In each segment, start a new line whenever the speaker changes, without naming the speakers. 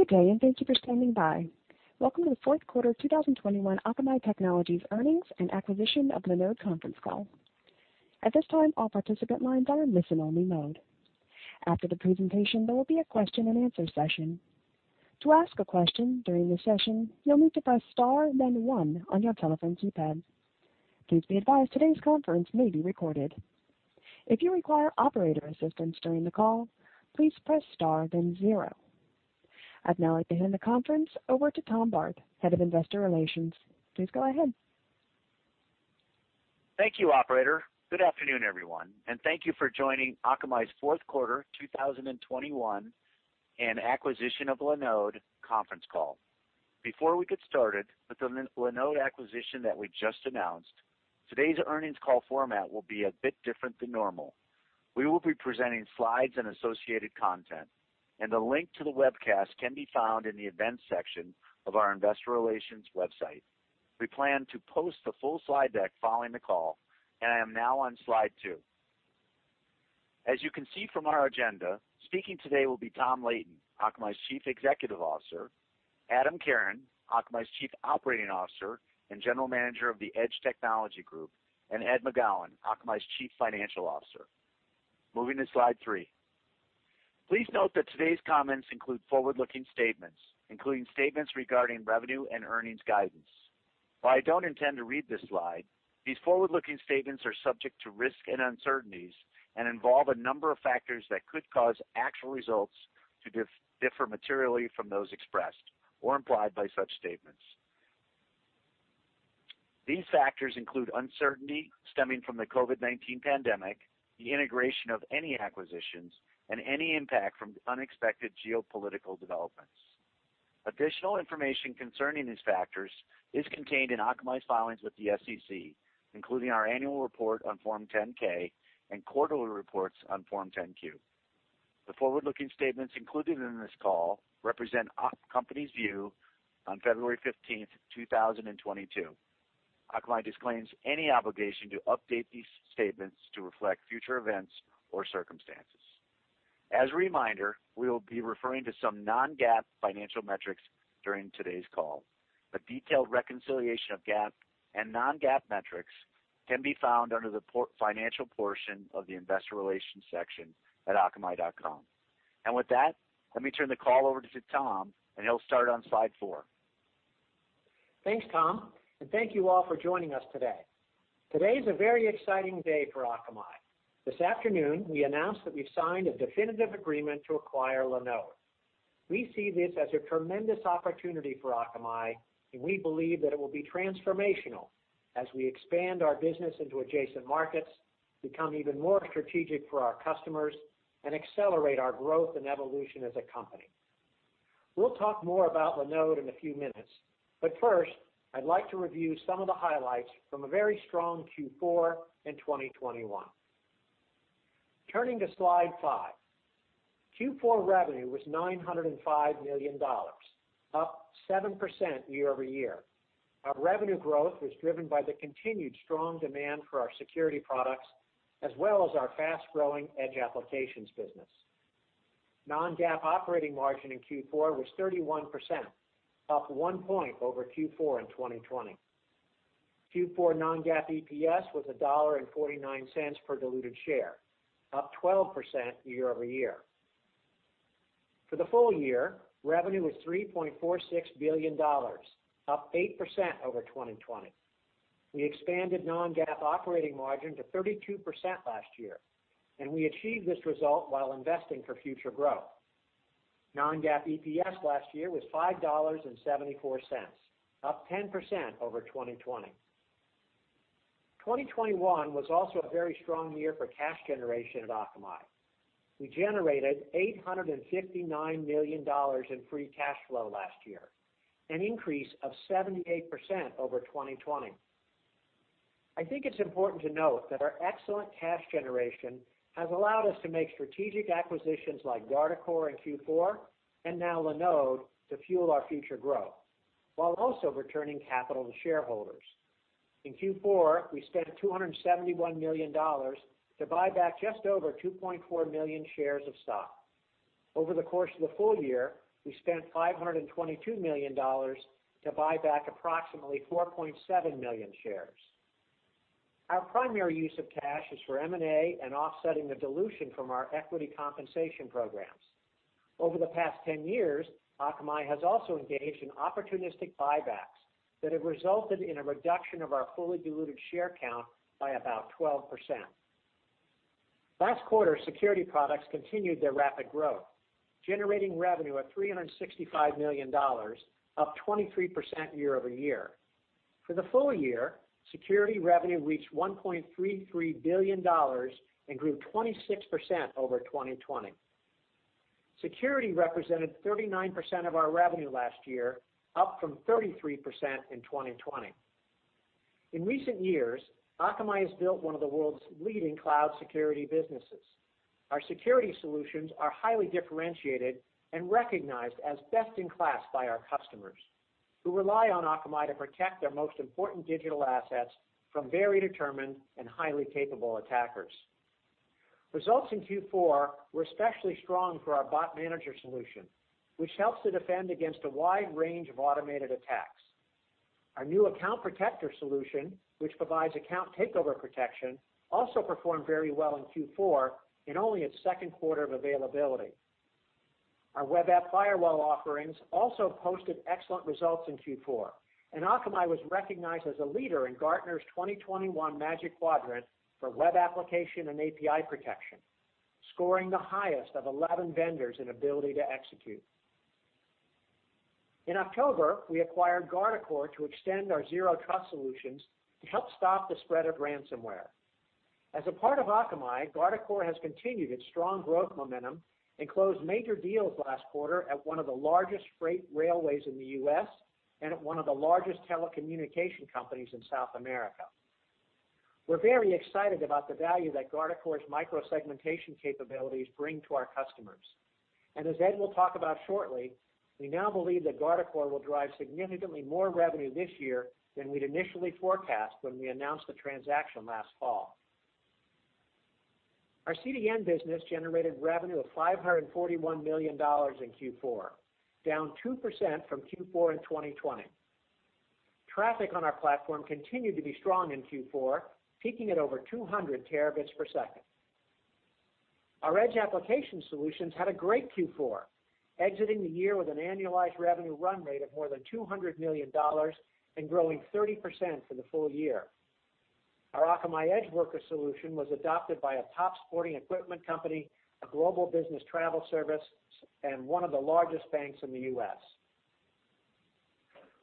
Good day, and thank you for standing by. Welcome to the fourth quarter 2021 Akamai Technologies earnings and acquisition of Linode conference call. At this time, all participant lines are in listen-only mode. After the presentation, there will be a question-and-answer session. To ask a question during the session, you'll need to press Star, then one on your telephone keypad. Please be advised today's conference may be recorded. If you require operator assistance during the call, please press Star, then zero. I'd now like to hand the conference over to Tom Barth, Head of Investor Relations. Please go ahead.
Thank you, operator. Good afternoon, everyone, and thank you for joining Akamai's fourth quarter 2021 and acquisition of Linode conference call. Before we get started with the Linode acquisition that we just announced, today's earnings call format will be a bit different than normal. We will be presenting slides and associated content, and the link to the webcast can be found in the events section of our investor relations website. We plan to post the full slide deck following the call, and I am now on slide two. As you can see from our agenda, speaking today will be Tom Leighton, Akamai's Chief Executive Officer, Adam Karon, Akamai's Chief Operating Officer and General Manager of the Edge Technology Group, and Ed McGowan, Akamai's Chief Financial Officer. Moving to slide three. Please note that today's comments include forward-looking statements, including statements regarding revenue and earnings guidance. While I don't intend to read this slide, these forward-looking statements are subject to risks and uncertainties and involve a number of factors that could cause actual results to differ materially from those expressed or implied by such statements. These factors include uncertainty stemming from the COVID-19 pandemic, the integration of any acquisitions, and any impact from unexpected geopolitical developments. Additional information concerning these factors is contained in Akamai's filings with the SEC, including our annual report on Form 10-K and quarterly reports on Form 10-Q. The forward-looking statements included in this call represent our company's view on February 15, 2022. Akamai disclaims any obligation to update these statements to reflect future events or circumstances. As a reminder, we will be referring to some non-GAAP financial metrics during today's call. A detailed reconciliation of GAAP and non-GAAP metrics can be found under the financial portion of the investor relations section at akamai.com. With that, let me turn the call over to Tom, and he'll start on slide four.
Thanks, Tom, and thank you all for joining us today. Today is a very exciting day for Akamai. This afternoon, we announced that we've signed a definitive agreement to acquire Linode. We see this as a tremendous opportunity for Akamai, and we believe that it will be transformational as we expand our business into adjacent markets, become even more strategic for our customers, and accelerate our growth and evolution as a company. We'll talk more about Linode in a few minutes, but first, I'd like to review some of the highlights from a very strong Q4 in 2021. Turning to slide five. Q4 revenue was $905 million, up 7% year-over-year. Our revenue growth was driven by the continued strong demand for our security products, as well as our fast-growing edge applications business. Non-GAAP operating margin in Q4 was 31%, up 1 percentage point over Q4 in 2020. Q4 non-GAAP EPS was $1.49 per diluted share, up 12% year over year. For the full year, revenue was $3.46 billion, up 8% over 2020. We expanded non-GAAP operating margin to 32% last year, and we achieved this result while investing for future growth. Non-GAAP EPS last year was $5.74, up 10% over 2020. 2021 was also a very strong year for cash generation at Akamai. We generated $859 million in free cash flow last year, an increase of 78% over 2020. I think it's important to note that our excellent cash generation has allowed us to make strategic acquisitions like Guardicore in Q4 and now Linode to fuel our future growth, while also returning capital to shareholders. In Q4, we spent $271 million to buy back just over 2.4 million shares of stock. Over the course of the full year, we spent $522 million to buy back approximately 4.7 million shares. Our primary use of cash is for M&A and offsetting the dilution from our equity compensation programs. Over the past 10 years, Akamai has also engaged in opportunistic buybacks that have resulted in a reduction of our fully diluted share count by about 12%. Last quarter, security products continued their rapid growth, generating revenue of $365 million, up 23% year-over-year. For the full year, security revenue reached $1.33 billion and grew 26% over 2020. Security represented 39% of our revenue last year, up from 33% in 2020. In recent years, Akamai has built one of the world's leading cloud security businesses. Our security solutions are highly differentiated and recognized as best in class by our customers, who rely on Akamai to protect their most important digital assets from very determined and highly capable attackers. Results in Q4 were especially strong for our Bot Manager solution, which helps to defend against a wide range of automated attacks. Our new Account Protector solution, which provides account takeover protection, also performed very well in Q4 in only its second quarter of availability. Our web app firewall offerings also posted excellent results in Q4, and Akamai was recognized as a leader in Gartner's 2021 Magic Quadrant for Web Application and API Protection, scoring the highest of 11 vendors in ability to execute. In October, we acquired Guardicore to extend our zero trust solutions to help stop the spread of ransomware. As a part of Akamai, Guardicore has continued its strong growth momentum and closed major deals last quarter at one of the largest freight railways in the U.S. and at one of the largest telecommunication companies in South America. We're very excited about the value that Guardicore's micro-segmentation capabilities bring to our customers. As Ed will talk about shortly, we now believe that Guardicore will drive significantly more revenue this year than we'd initially forecast when we announced the transaction last fall. Our CDN business generated revenue of $541 million in Q4, down 2% from Q4 in 2020. Traffic on our platform continued to be strong in Q4, peaking at over 200 terabits per second. Our Edge application solutions had a great Q4, exiting the year with an annualized revenue run rate of more than $200 million and growing 30% for the full year. Our Akamai EdgeWorkers solution was adopted by a top sporting equipment company, a global business travel service, and one of the largest banks in the U.S.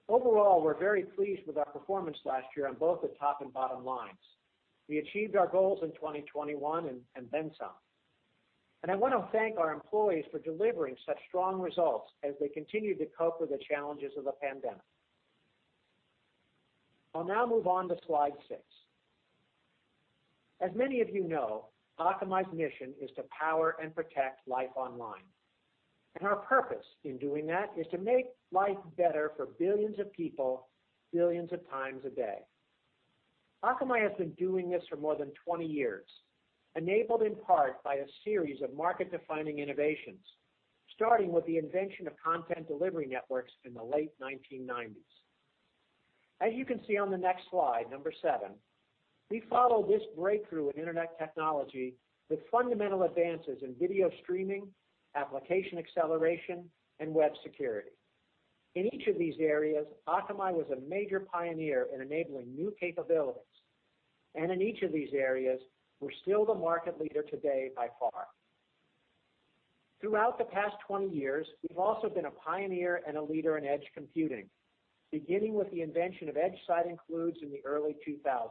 Overall, we're very pleased with our performance last year on both the top and bottom lines. We achieved our goals in 2021 and then some. I wanna thank our employees for delivering such strong results as they continued to cope with the challenges of the pandemic. I'll now move on to slide six. As many of you know, Akamai's mission is to power and protect life online, and our purpose in doing that is to make life better for billions of people, billions of times a day. Akamai has been doing this for more than 20 years, enabled in part by a series of market-defining innovations, starting with the invention of content delivery networks in the late 1990s. As you can see on the next slide, number seven, we follow this breakthrough in internet technology with fundamental advances in video streaming, application acceleration, and web security. In each of these areas, Akamai was a major pioneer in enabling new capabilities, and in each of these areas, we're still the market leader today by far. Throughout the past 20 years, we've also been a pioneer and a leader in edge computing, beginning with the invention of Edge Side Includes in the early 2000s,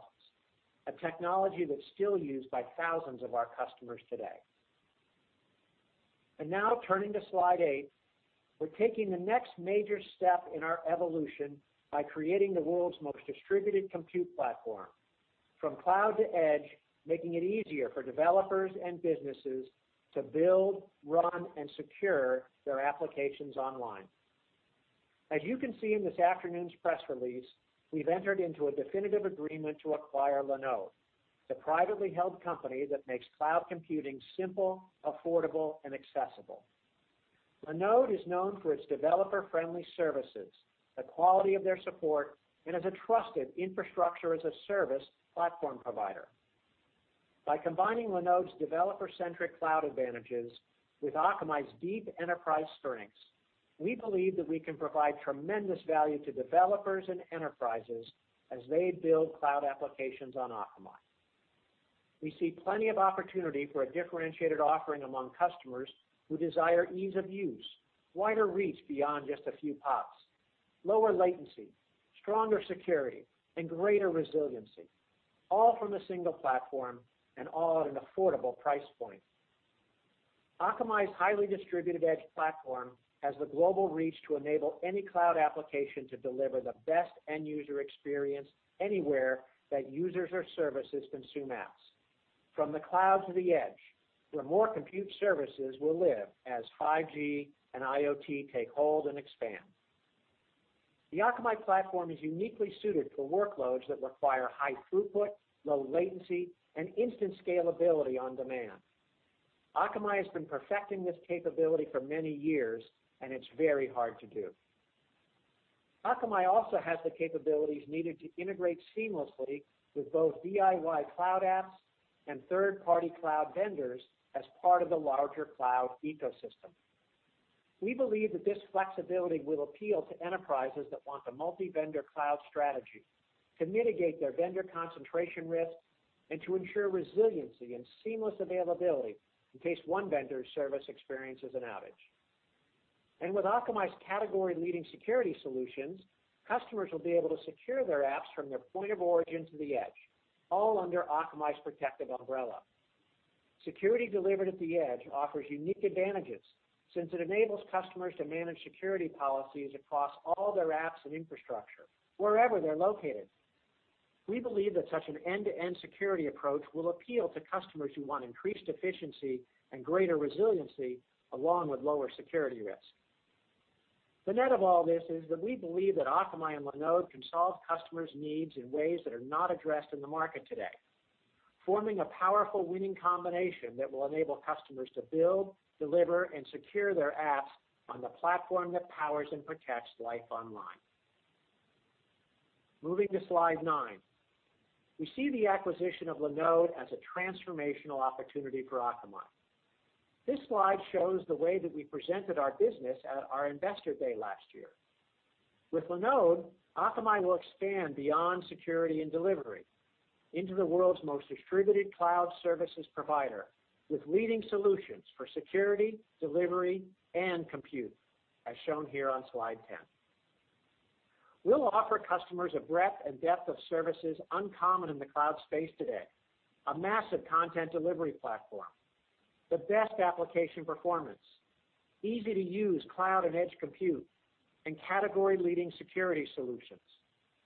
a technology that's still used by thousands of our customers today. Now turning to slide eight, we're taking the next major step in our evolution by creating the world's most distributed compute platform from cloud to edge, making it easier for developers and businesses to build, run, and secure their applications online. As you can see in this afternoon's press release, we've entered into a definitive agreement to acquire Linode, the privately held company that makes cloud computing simple, affordable, and accessible. Linode is known for its developer-friendly services, the quality of their support, and as a trusted infrastructure as a service platform provider. By combining Linode's developer-centric cloud advantages with Akamai's deep enterprise strengths, we believe that we can provide tremendous value to developers and enterprises as they build cloud applications on Akamai. We see plenty of opportunity for a differentiated offering among customers who desire ease of use, wider reach beyond just a few pods, lower latency, stronger security, and greater resiliency, all from a single platform and all at an affordable price point. Akamai's highly distributed edge platform has the global reach to enable any cloud application to deliver the best end user experience anywhere that users or services consume apps from the cloud to the edge, where more compute services will live as 5G and IoT take hold and expand. The Akamai platform is uniquely suited for workloads that require high throughput, low latency, and instant scalability on demand. Akamai has been perfecting this capability for many years, and it's very hard to do. Akamai also has the capabilities needed to integrate seamlessly with both DIY cloud apps and third-party cloud vendors as part of the larger cloud ecosystem. We believe that this flexibility will appeal to enterprises that want a multi-vendor cloud strategy to mitigate their vendor concentration risk and to ensure resiliency and seamless availability in case one vendor's service experiences an outage. With Akamai's category-leading security solutions, customers will be able to secure their apps from their point of origin to the edge, all under Akamai's protective umbrella. Security delivered at the edge offers unique advantages since it enables customers to manage security policies across all their apps and infrastructure wherever they're located. We believe that such an end-to-end security approach will appeal to customers who want increased efficiency and greater resiliency along with lower security risk. The net of all this is that we believe that Akamai and Linode can solve customers' needs in ways that are not addressed in the market today, forming a powerful winning combination that will enable customers to build, deliver, and secure their apps on the platform that powers and protects life online. Moving to slide nine. We see the acquisition of Linode as a transformational opportunity for Akamai. This slide shows the way that we presented our business at our Investor Day last year. With Linode, Akamai will expand beyond security and delivery into the world's most distributed cloud services provider with leading solutions for security, delivery, and compute, as shown here on slide 10. We'll offer customers a breadth and depth of services uncommon in the cloud space today, a massive content delivery platform, the best application performance, easy-to-use cloud and edge compute, and category-leading security solutions,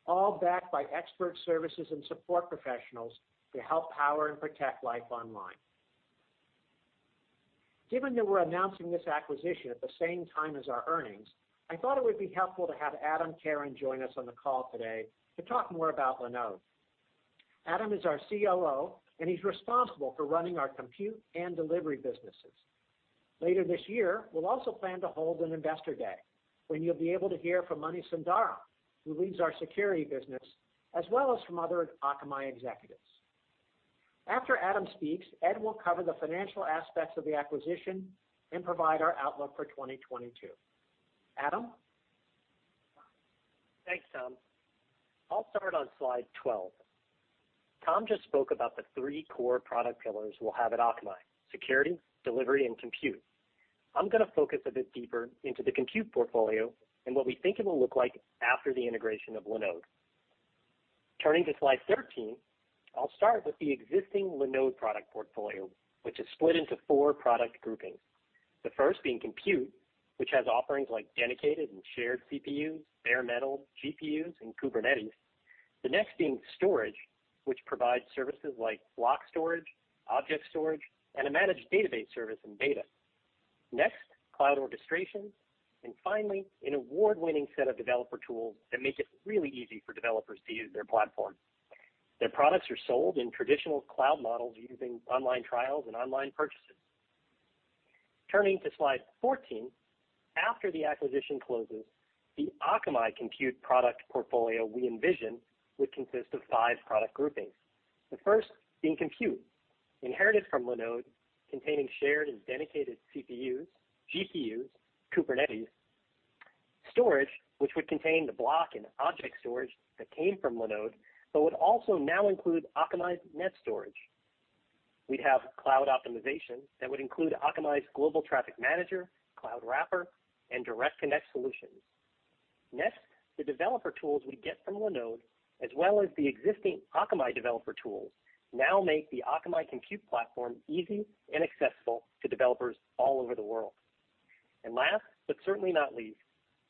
all backed by expert services and support professionals to help power and protect life online. Given that we're announcing this acquisition at the same time as our earnings, I thought it would be helpful to have Adam Karon join us on the call today to talk more about Linode. Adam is our COO, and he's responsible for running our compute and delivery businesses. Later this year, we'll also plan to hold an Investor Day when you'll be able to hear from Mani Sundaram, who leads our security business, as well as from other Akamai executives. After Adam speaks, Ed will cover the financial aspects of the acquisition and provide our outlook for 2022. Adam?
Thanks, Tom. I'll start on slide 12. Tom just spoke about the three core product pillars we'll have at Akamai, security, delivery, and compute. I'm gonna focus a bit deeper into the compute portfolio and what we think it will look like after the integration of Linode. Turning to slide 13, I'll start with the existing Linode product portfolio, which is split into four product groupings. The first being compute, which has offerings like dedicated and shared CPUs, bare metal, GPUs, and Kubernetes. The next being storage, which provides services like block storage, object storage, and a managed database service in beta. Next, cloud orchestration, and finally, an award-winning set of developer tools that make it really easy for developers to use their platform. Their products are sold in traditional cloud models using online trials and online purchases. Turning to slide 14, after the acquisition closes, the Akamai compute product portfolio we envision would consist of five product groupings. The first being compute, inherited from Linode, containing shared and dedicated CPUs, GPUs, Kubernetes. Storage, which would contain the block and object storage that came from Linode but would also now include Akamai's NetStorage. We'd have cloud optimization that would include Akamai's Global Traffic Management, Cloud Wrapper, and Direct Connect solutions. Next, the developer tools we get from Linode as well as the existing Akamai developer tools now make the Akamai compute platform easy and accessible to developers all over the world. Last, but certainly not least,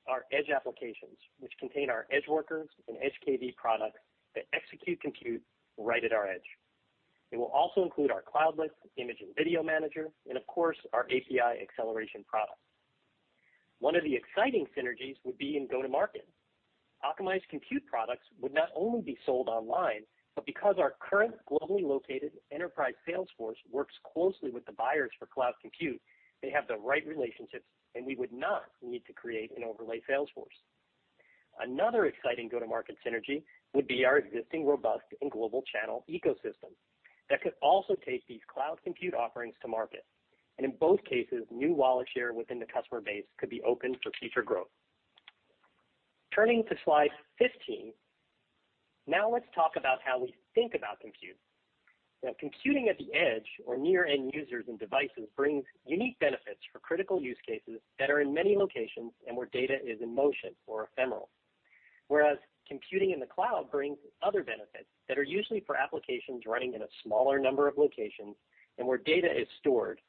our edge applications, which contain our EdgeWorkers and EdgeKV products that execute compute right at our edge. It will also include our Cloudlets, Image and Video Manager, and of course, our API Acceleration product. One of the exciting synergies would be in go-to-market. Akamai's compute products would not only be sold online, but because our current globally located enterprise sales force works closely with the buyers for cloud compute, they have the right relationships, and we would not need to create an overlay sales force. Another exciting go-to-market synergy would be our existing robust and global channel ecosystem that could also take these cloud compute offerings to market. In both cases, new wallet share within the customer base could be open for future growth. Turning to slide 15, now let's talk about how we think about compute. Now, computing at the edge or near end users and devices brings unique benefits for critical use cases that are in many locations and where data is in motion or ephemeral. Whereas computing in the cloud brings other benefits that are usually for applications running in a smaller number of locations and where data is stored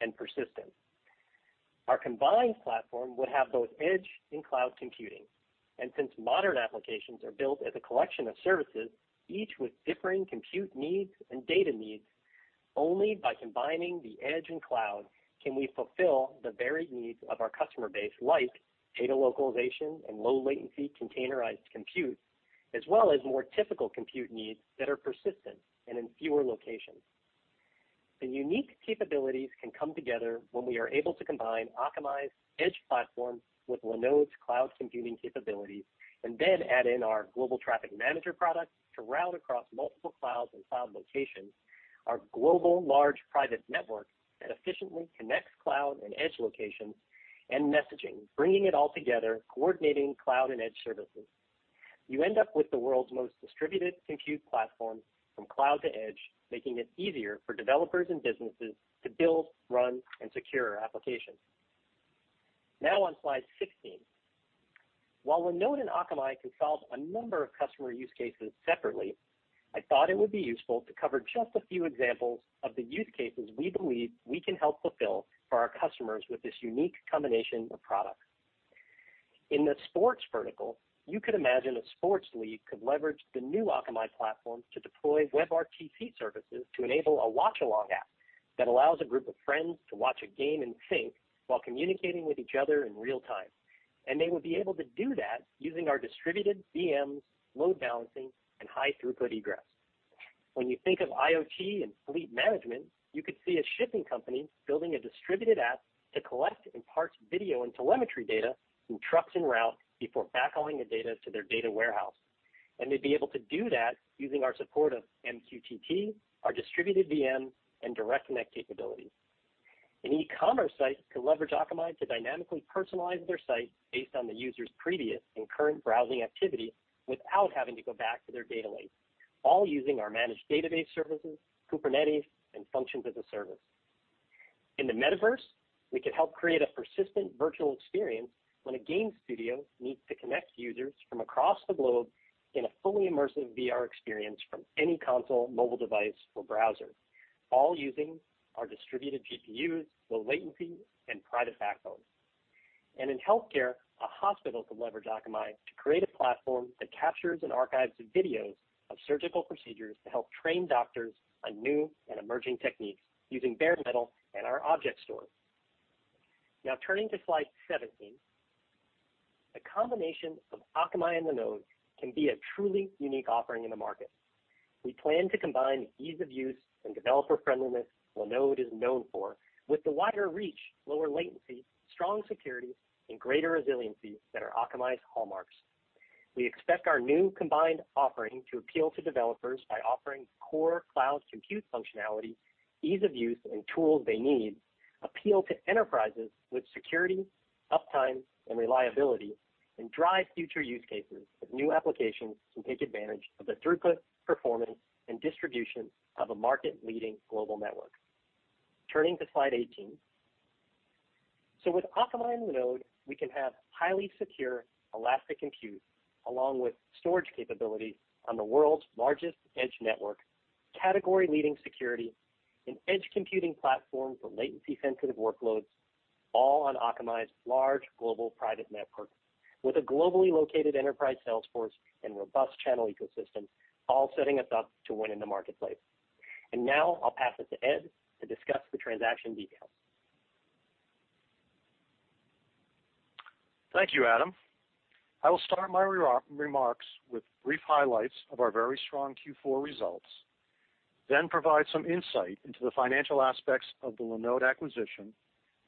and persistent. Our combined platform would have both edge and cloud computing. Since modern applications are built as a collection of services, each with differing compute needs and data needs, only by combining the edge and cloud can we fulfill the varied needs of our customer base, like data localization and low-latency containerized compute, as well as more typical compute needs that are persistent and in fewer locations. The unique capabilities can come together when we are able to combine Akamai's edge platform with Linode's cloud computing capabilities and then add in our Global Traffic Management product to route across multiple clouds and cloud locations, our global large private network that efficiently connects cloud and edge locations, and messaging, bringing it all together, coordinating cloud and edge services. You end up with the world's most distributed compute platform from cloud to edge, making it easier for developers and businesses to build, run, and secure applications. Now on slide 16. While Linode and Akamai can solve a number of customer use cases separately, I thought it would be useful to cover just a few examples of the use cases we believe we can help fulfill for our customers with this unique combination of products. In the sports vertical, you could imagine a sports league could leverage the new Akamai platform to deploy WebRTC services to enable a watch-along app. That allows a group of friends to watch a game in sync while communicating with each other in real time, and they will be able to do that using our distributed VMs, load balancing, and high throughput egress. When you think of IoT and fleet management, you could see a shipping company building a distributed app to collect and parse video and telemetry data from trucks en route before backhauling the data to their data warehouse. They'd be able to do that using our support of MQTT, our distributed VM, and Direct Connect capabilities. An e-commerce site can leverage Akamai to dynamically personalize their site based on the user's previous and current browsing activity without having to go back to their data lake, all using our managed database services, Kubernetes, and functions as a service. In the metaverse, we can help create a persistent virtual experience when a game studio needs to connect users from across the globe in a fully immersive VR experience from any console, mobile device, or browser, all using our distributed GPUs, low latency, and private backbone. In healthcare, a hospital could leverage Akamai to create a platform that captures and archives videos of surgical procedures to help train doctors on new and emerging techniques using bare metal and our object store. Now turning to slide 17. The combination of Akamai and Linode can be a truly unique offering in the market. We plan to combine the ease of use and developer friendliness Linode is known for with the wider reach, lower latency, strong security, and greater resiliency that are Akamai's hallmarks. We expect our new combined offering to appeal to developers by offering core cloud compute functionality, ease of use, and tools they need, appeal to enterprises with security, uptime, and reliability, and drive future use cases as new applications can take advantage of the throughput, performance, and distribution of a market-leading global network. Turning to slide 18. With Akamai and Linode, we can have highly secure elastic compute along with storage capability on the world's largest edge network, category-leading security, an edge computing platform for latency-sensitive workloads, all on Akamai's large global private network with a globally located enterprise sales force and robust channel ecosystem, all setting us up to win in the marketplace. Now I'll pass it to Ed to discuss the transaction details.
Thank you, Adam. I will start my remarks with brief highlights of our very strong Q4 results, then provide some insight into the financial aspects of the Linode acquisition,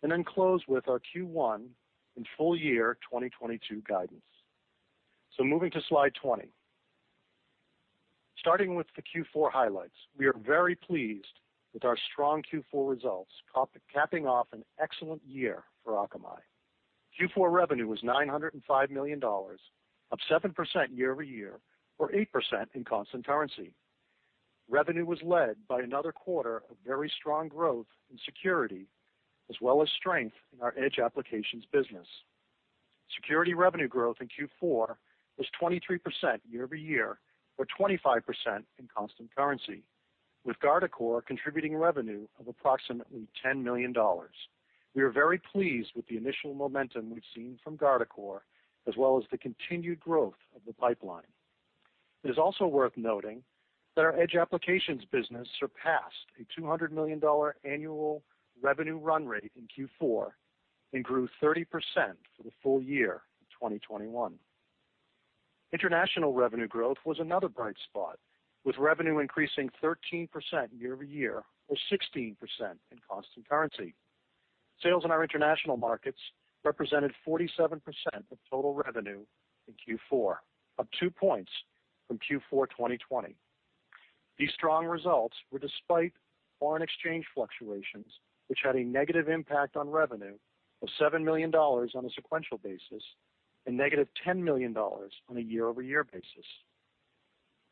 and then close with our Q1 and full year 2022 guidance. Moving to slide 20. Starting with the Q4 highlights, we are very pleased with our strong Q4 results, capping off an excellent year for Akamai. Q4 revenue was $905 million, up 7% year-over-year, or 8% in constant currency. Revenue was led by another quarter of very strong growth in security, as well as strength in our edge applications business. Security revenue growth in Q4 was 23% year-over-year, or 25% in constant currency, with Guardicore contributing revenue of approximately $10 million. We are very pleased with the initial momentum we've seen from Guardicore, as well as the continued growth of the pipeline. It is also worth noting that our edge applications business surpassed a $200 million annual revenue run rate in Q4 and grew 30% for the full year of 2021. International revenue growth was another bright spot, with revenue increasing 13% year-over-year, or 16% in constant currency. Sales in our international markets represented 47% of total revenue in Q4, up 2 percentage points from Q4 2020. These strong results were despite foreign exchange fluctuations, which had a negative impact on revenue of $7 million on a sequential basis, and negative $10 million on a year-over-year basis.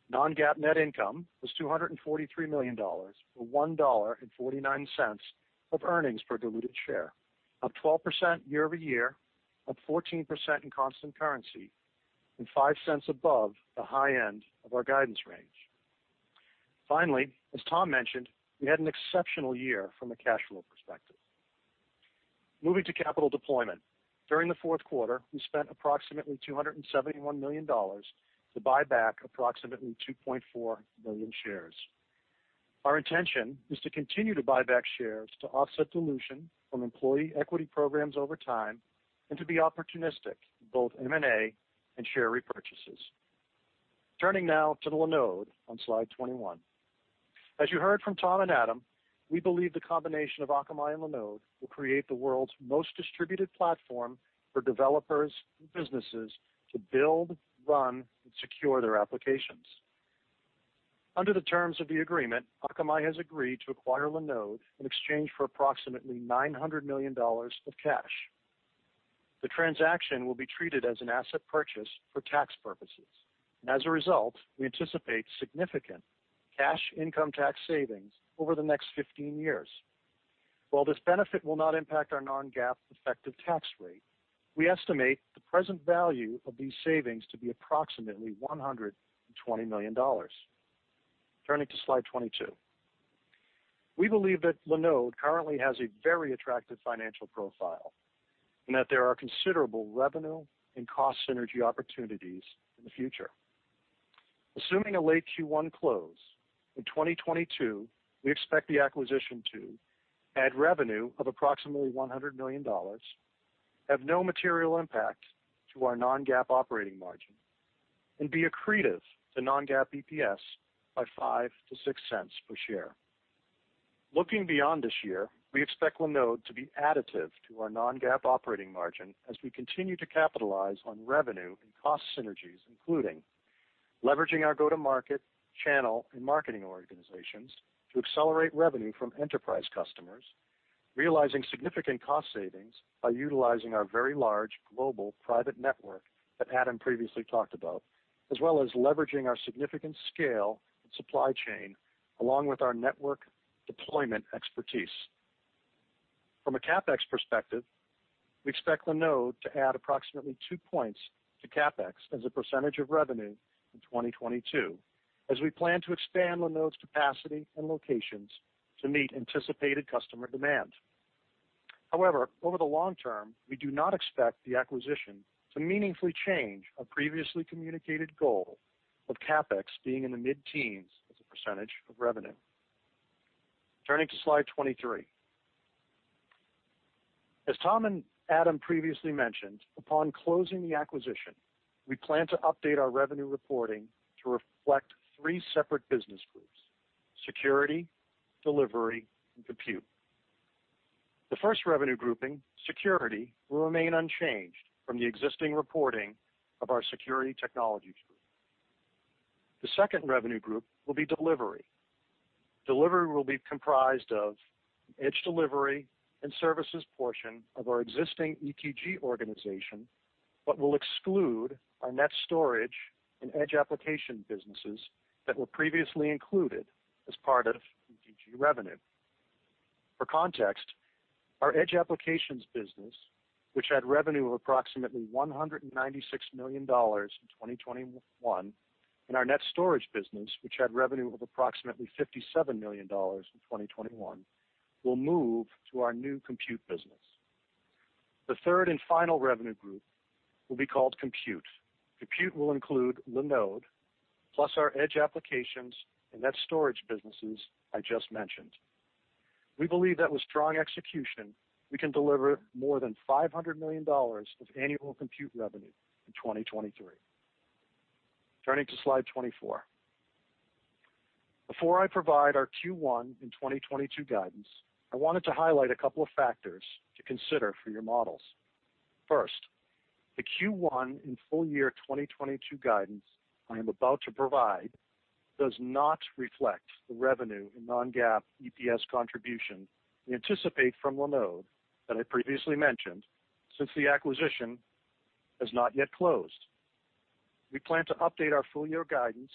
Non-GAAP net income was $243 million, or $1.49 of earnings per diluted share, up 12% year-over-year, up 14% in constant currency, and $0.05 above the high end of our guidance range. Finally, as Tom mentioned, we had an exceptional year from a cash flow perspective. Moving to capital deployment. During the fourth quarter, we spent approximately $271 million to buy back approximately 2.4 million shares. Our intention is to continue to buy back shares to offset dilution from employee equity programs over time and to be opportunistic in both M&A and share repurchases. Turning now to Linode on slide 21. As you heard from Tom and Adam, we believe the combination of Akamai and Linode will create the world's most distributed platform for developers and businesses to build, run, and secure their applications. Under the terms of the agreement, Akamai has agreed to acquire Linode in exchange for approximately $900 million of cash. The transaction will be treated as an asset purchase for tax purposes, and as a result, we anticipate significant cash income tax savings over the next 15 years. While this benefit will not impact our non-GAAP effective tax rate, we estimate the present value of these savings to be approximately $120 million. Turning to slide 22. We believe that Linode currently has a very attractive financial profile, and that there are considerable revenue and cost synergy opportunities in the future. Assuming a late Q1 close in 2022, we expect the acquisition to add revenue of approximately $100 million, have no material impact to our non-GAAP operating margin, and be accretive to non-GAAP EPS by $0.05-$0.06 per share. Looking beyond this year, we expect Linode to be additive to our non-GAAP operating margin as we continue to capitalize on revenue and cost synergies, including leveraging our go-to-market channel and marketing organizations to accelerate revenue from enterprise customers, realizing significant cost savings by utilizing our very large global private network that Adam previously talked about, as well as leveraging our significant scale and supply chain along with our network deployment expertise. From a CapEx perspective, we expect Linode to add approximately 2 percentage points to CapEx as a percentage of revenue in 2022 as we plan to expand Linode's capacity and locations to meet anticipated customer demand. However, over the long term, we do not expect the acquisition to meaningfully change our previously communicated goal of CapEx being in the mid-teens as a percentage of revenue. Turning to slide 23. As Tom and Adam previously mentioned, upon closing the acquisition, we plan to update our revenue reporting to reflect three separate business groups, Security, Delivery, and Compute. The first revenue grouping, Security, will remain unchanged from the existing reporting of our Security Technology Group. The second revenue group will be Delivery. Delivery will be comprised of edge delivery and services portion of our existing ETG organization, but will exclude our NetStorage and edge application businesses that were previously included as part of ETG revenue. For context, our edge applications business, which had revenue of approximately $196 million in 2021, and our NetStorage business, which had revenue of approximately $57 million in 2021, will move to our new compute business. The third and final revenue group will be called Compute. Compute will include Linode plus our edge applications and NetStorage businesses I just mentioned. We believe that with strong execution, we can deliver more than $500 million of annual compute revenue in 2023. Turning to slide 24. Before I provide our Q1 2022 guidance, I wanted to highlight a couple of factors to consider for your models. First, the Q1 and full year 2022 guidance I am about to provide does not reflect the revenue and non-GAAP EPS contribution we anticipate from Linode that I previously mentioned since the acquisition has not yet closed. We plan to update our full year guidance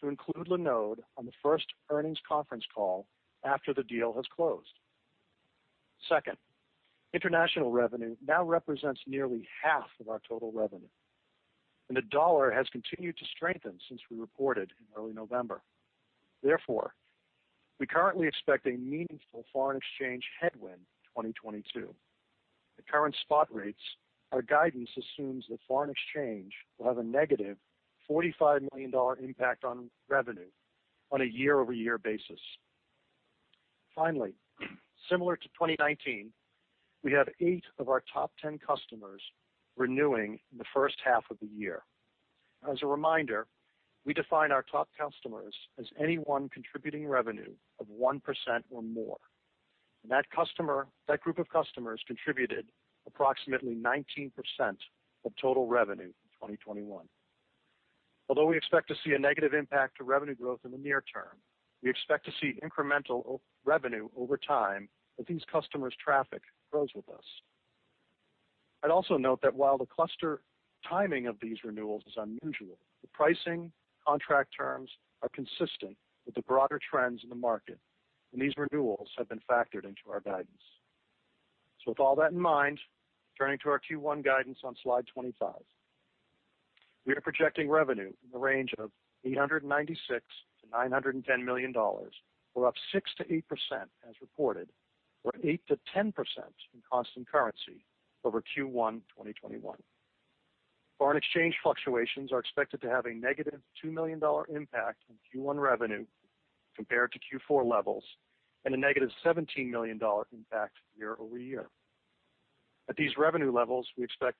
to include Linode on the first earnings conference call after the deal has closed. Second, international revenue now represents nearly half of our total revenue, and the dollar has continued to strengthen since we reported in early November. Therefore, we currently expect a meaningful foreign exchange headwind in 2022. At current spot rates, our guidance assumes that foreign exchange will have a negative $45 million impact on revenue on a year-over-year basis. Finally, similar to 2019, we have eight of our top 10 customers renewing in the first half of the year. As a reminder, we define our top customers as any one contributing revenue of 1% or more. That group of customers contributed approximately 19% of total revenue in 2021. Although we expect to see a negative impact to revenue growth in the near term, we expect to see incremental revenue over time as these customers' traffic grows with us. I'd also note that while the cluster timing of these renewals is unusual, the pricing contract terms are consistent with the broader trends in the market, and these renewals have been factored into our guidance. With all that in mind, turning to our Q1 guidance on slide 25. We are projecting revenue in the range of $896 million-$910 million, or up 6%-8% as reported, or 8%-10% in constant currency over Q1 2021. Foreign exchange fluctuations are expected to have a negative $2 million impact on Q1 revenue compared to Q4 levels and a negative $17 million impact year over year. At these revenue levels, we expect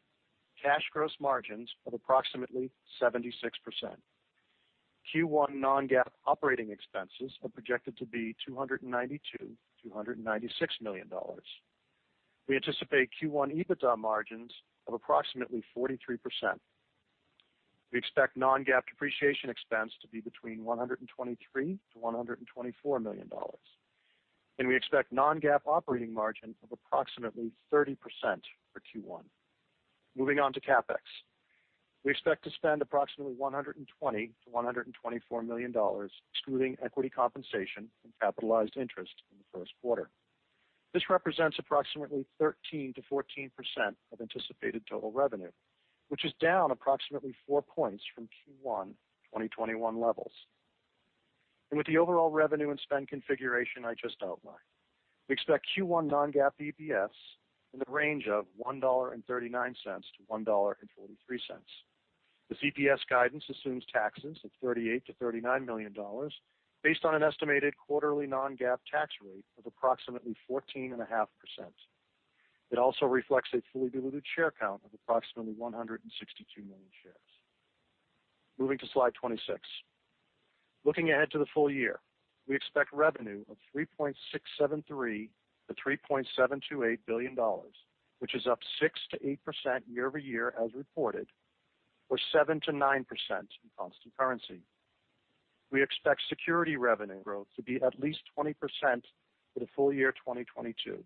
cash gross margins of approximately 76%. Q1 non-GAAP operating expenses are projected to be $292 million-$296 million. We anticipate Q1 EBITDA margins of approximately 43%. We expect non-GAAP depreciation expense to be between $123 million-$124 million. We expect non-GAAP operating margin of approximately 30% for Q1. Moving on to CapEx. We expect to spend approximately $120 million-$124 million excluding equity compensation and capitalized interest in the first quarter. This represents approximately 13%-14% of anticipated total revenue, which is down approximately 4 percentage points from Q1 2021 levels. With the overall revenue and spend configuration I just outlined, we expect Q1 non-GAAP EPS in the range of $1.39-$1.43. This EPS guidance assumes taxes of $38 million-$39 million based on an estimated quarterly non-GAAP tax rate of approximately 14.5%. It also reflects a fully diluted share count of approximately 162 million shares. Moving to slide 26. Looking ahead to the full year, we expect revenue of $3.673 billion-$3.728 billion, which is up 6%-8% year-over-year as reported, or 7%-9% in constant currency. We expect security revenue growth to be at least 20% for the full year 2022.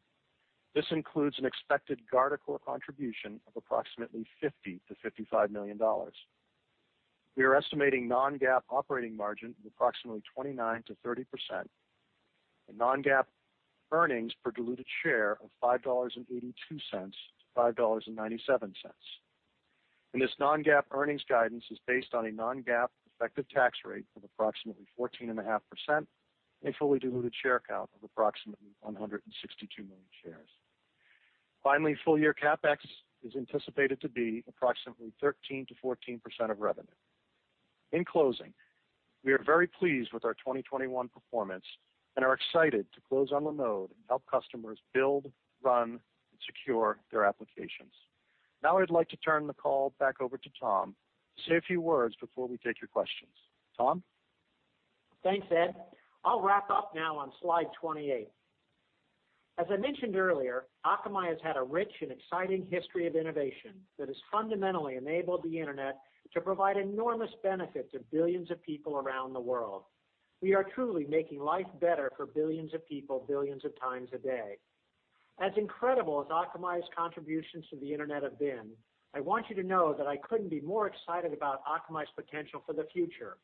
This includes an expected Guardicore contribution of approximately $50 million-$55 million. We are estimating non-GAAP operating margin of approximately 29%-30% and non-GAAP earnings per diluted share of $5.82-$5.97. This non-GAAP earnings guidance is based on a non-GAAP effective tax rate of approximately 14.5% and a fully diluted share count of approximately 162 million shares. Finally, full year CapEx is anticipated to be approximately 13%-14% of revenue. In closing, we are very pleased with our 2021 performance and are excited to close on Linode and help customers build, run, and secure their applications. Now I'd like to turn the call back over to Tom to say a few words before we take your questions. Tom?
Thanks, Ed. I'll wrap up now on slide 28. As I mentioned earlier, Akamai has had a rich and exciting history of innovation that has fundamentally enabled the Internet to provide enormous benefit to billions of people around the world. We are truly making life better for billions of people, billions of times a day. As incredible as Akamai's contributions to the Internet have been, I want you to know that I couldn't be more excited about Akamai's potential for the future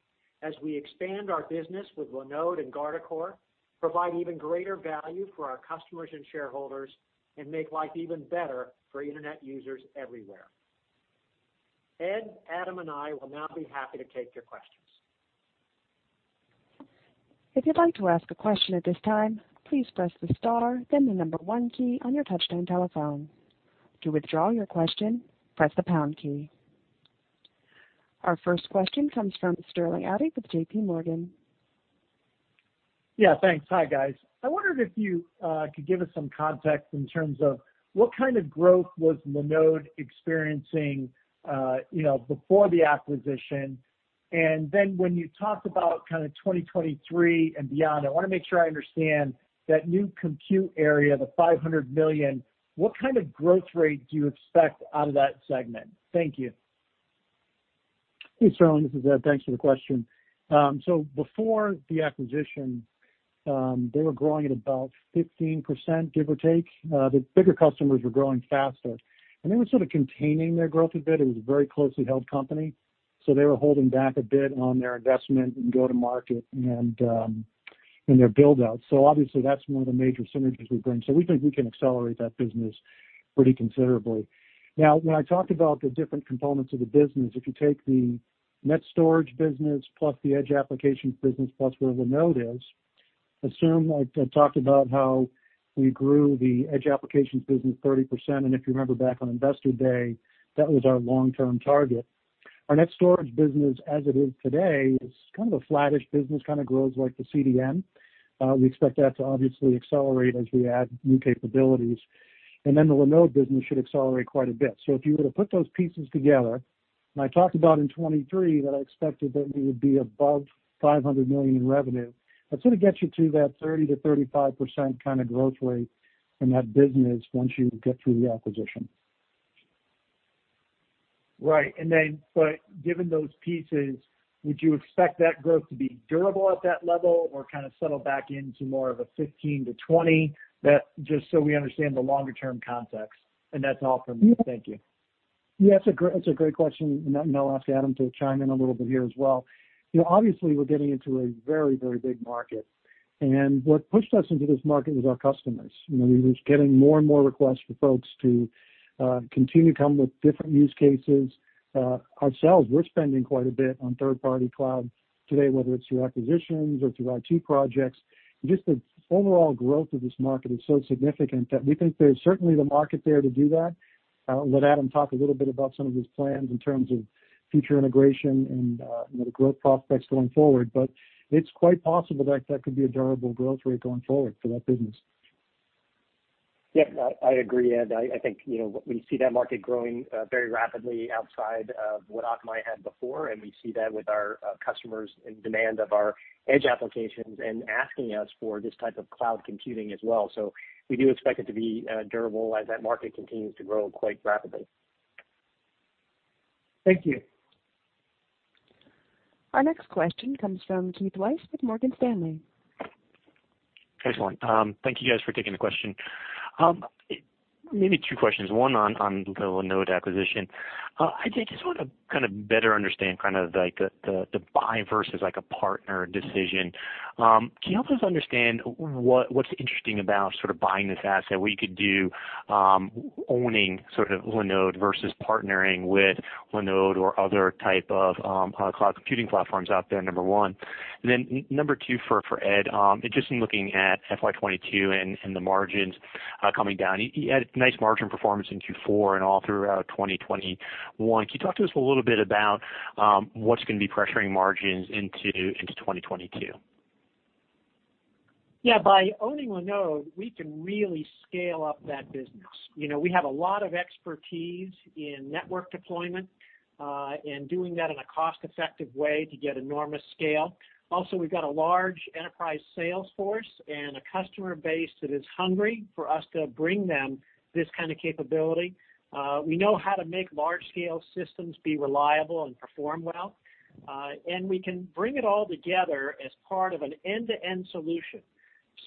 as we expand our business with Linode and Guardicore, provide even greater value for our customers and shareholders, and make life even better for Internet users everywhere. Ed, Adam, and I will now be happy to take your questions.
Our first question comes from Sterling Auty with JPMorgan.
Yeah, thanks. Hi, guys. I wondered if you could give us some context in terms of what kind of growth was Linode experiencing before the acquisition. When you talked about kind of 2023 and beyond, I want to make sure I understand that new compute area, the $500 million, what kind of growth rate do you expect out of that segment? Thank you.
Hey, Sterling, this is Ed. Thanks for the question. Before the acquisition, they were growing at about 15%, give or take. The bigger customers were growing faster, and they were sort of containing their growth a bit. It was a very closely held company, so they were holding back a bit on their investment and go-to-market and their build-out. Obviously, that's one of the major synergies we bring. We think we can accelerate that business pretty considerably. Now, when I talked about the different components of the business, if you take the NetStorage business plus the edge applications business plus where Linode is, assume I talked about how we grew the edge applications business 30%. If you remember back on Investor Day, that was our long-term target. Our NetStorage business as it is today is kind of a flattish business, kind of grows like the CDN. We expect that to obviously accelerate as we add new capabilities. Then the Linode business should accelerate quite a bit. If you were to put those pieces together, and I talked about in 2023 that I expected that we would be above $500 million in revenue, that sort of gets you to that 30%-35% kind of growth rate in that business once you get through the acquisition.
Right. Given those pieces, would you expect that growth to be durable at that level or kind of settle back into more of a 15%-20%? That, just so we understand the longer-term context. That's all for me. Thank you.
Yeah, that's a great question. I'll ask Adam to chime in a little bit here as well. You know, obviously, we're getting into a very big market, and what pushed us into this market was our customers. You know, we were getting more and more requests for folks to continue to come with different use cases. Ourselves, we're spending quite a bit on third-party cloud today, whether it's through acquisitions or through IT projects. Just the overall growth of this market is so significant that we think there's certainly the market there to do that. I'll let Adam talk a little bit about some of his plans in terms of future integration and, you know, the growth prospects going forward, but it's quite possible that could be a durable growth rate going forward for that business.
Yeah, I agree, Ed. I think, you know, we see that market growing very rapidly outside of what Akamai had before, and we see that with our customers and demand of our edge applications and asking us for this type of cloud computing as well. We do expect it to be durable as that market continues to grow quite rapidly.
Thank you.
Our next question comes from Keith Weiss with Morgan Stanley.
Excellent. Thank you guys for taking the question. Maybe two questions, one on the Linode acquisition. I just want to kind of better understand kind of like the buy versus like a partner decision. Can you help us understand what's interesting about sort of buying this asset, what you could do owning sort of Linode versus partnering with Linode or other type of cloud computing platforms out there, number one. Number two for Ed, just in looking at FY 2022 and the margins coming down, you had a nice margin performance in Q4 and all throughout 2021. Can you talk to us a little bit about what's gonna be pressuring margins into 2022?
Yeah. By owning Linode, we can really scale up that business. You know, we have a lot of expertise in network deployment, and doing that in a cost-effective way to get enormous scale. Also, we've got a large enterprise sales force and a customer base that is hungry for us to bring them this kind of capability. We know how to make large scale systems be reliable and perform well. We can bring it all together as part of an end-to-end solution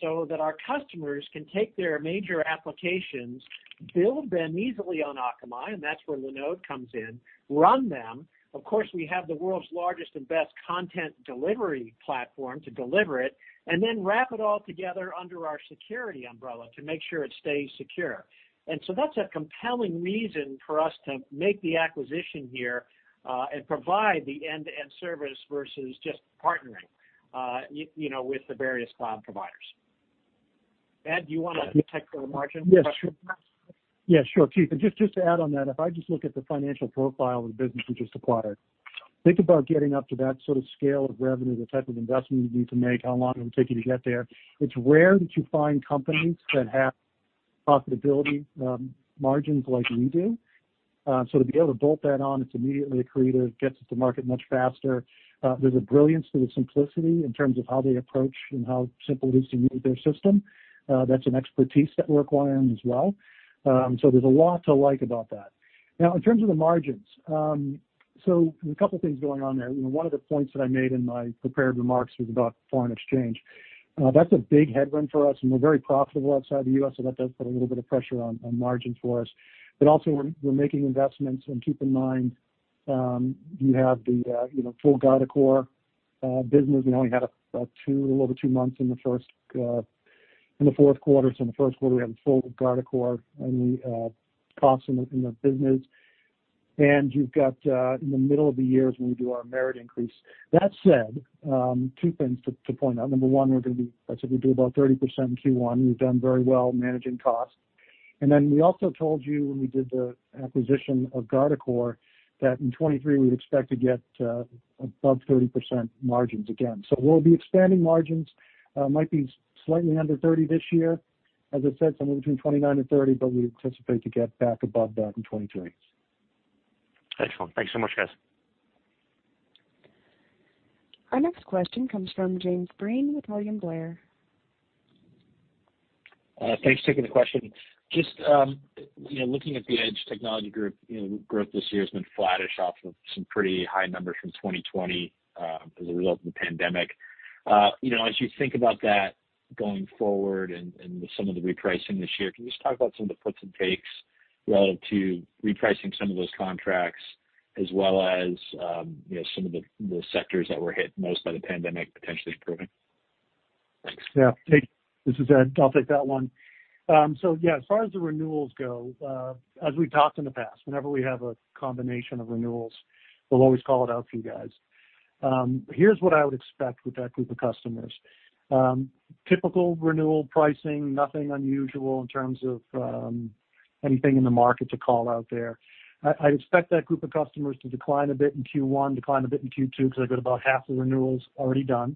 so that our customers can take their major applications, build them easily on Akamai, and that's where Linode comes in, run them. Of course, we have the world's largest and best content delivery platform to deliver it, and then wrap it all together under our security umbrella to make sure it stays secure. That's a compelling reason for us to make the acquisition here, and provide the end-to-end service versus just partnering, you know, with the various cloud providers. Ed, do you wanna take the margin question next?
Yes, sure. Yeah, sure, Keith. Just to add on that, if I just look at the financial profile of the business we just acquired, think about getting up to that sort of scale of revenue, the type of investment you need to make, how long it would take you to get there. It's rare that you find companies that have profitability margins like we do. To be able to bolt that on, it's immediately accretive, gets us to market much faster. There's a brilliance to the simplicity in terms of how they approach and how simple it is to use their system. That's an expertise that we're acquiring as well. There's a lot to like about that. Now in terms of the margins, a couple things going on there. You know, one of the points that I made in my prepared remarks was about foreign exchange. That's a big headwind for us, and we're very profitable outside the U.S., so that does put a little bit of pressure on margins for us. Also we're making investments. Keep in mind, you know, you have the full Guardicore business. We only had a little over two months in the fourth quarter. In the first quarter, we have the full Guardicore and the costs in the business. You've got in the middle of the years when we do our merit increase. That said, two things to point out. Number one, I said we'd be about 30% in Q1. We've done very well managing costs. We also told you when we did the acquisition of Guardicore that in 2023 we'd expect to get above 30% margins again. We'll be expanding margins. Might be slightly under 30% this year. As I said, somewhere between 29% and 30%, but we anticipate to get back above that in 2023.
Excellent. Thank you so much, guys.
Our next question comes from James Breen with William Blair.
Thanks. Taking the question. Just, you know, looking at the Edge Technology Group, you know, growth this year has been flattish off of some pretty high numbers from 2020, as a result of the pandemic. You know, as you think about that going forward and some of the repricing this year, can you just talk about some of the puts and takes relative to repricing some of those contracts as well as, you know, some of the sectors that were hit most by the pandemic potentially improving?
Yeah. Hey, this is Ed. I'll take that one. So yeah, as far as the renewals go, as we've talked in the past, whenever we have a combination of renewals, we'll always call it out for you guys. Here's what I would expect with that group of customers. Typical renewal pricing, nothing unusual in terms of anything in the market to call out there. I expect that group of customers to decline a bit in Q1, decline a bit in Q2, 'cause I've got about half the renewals already done,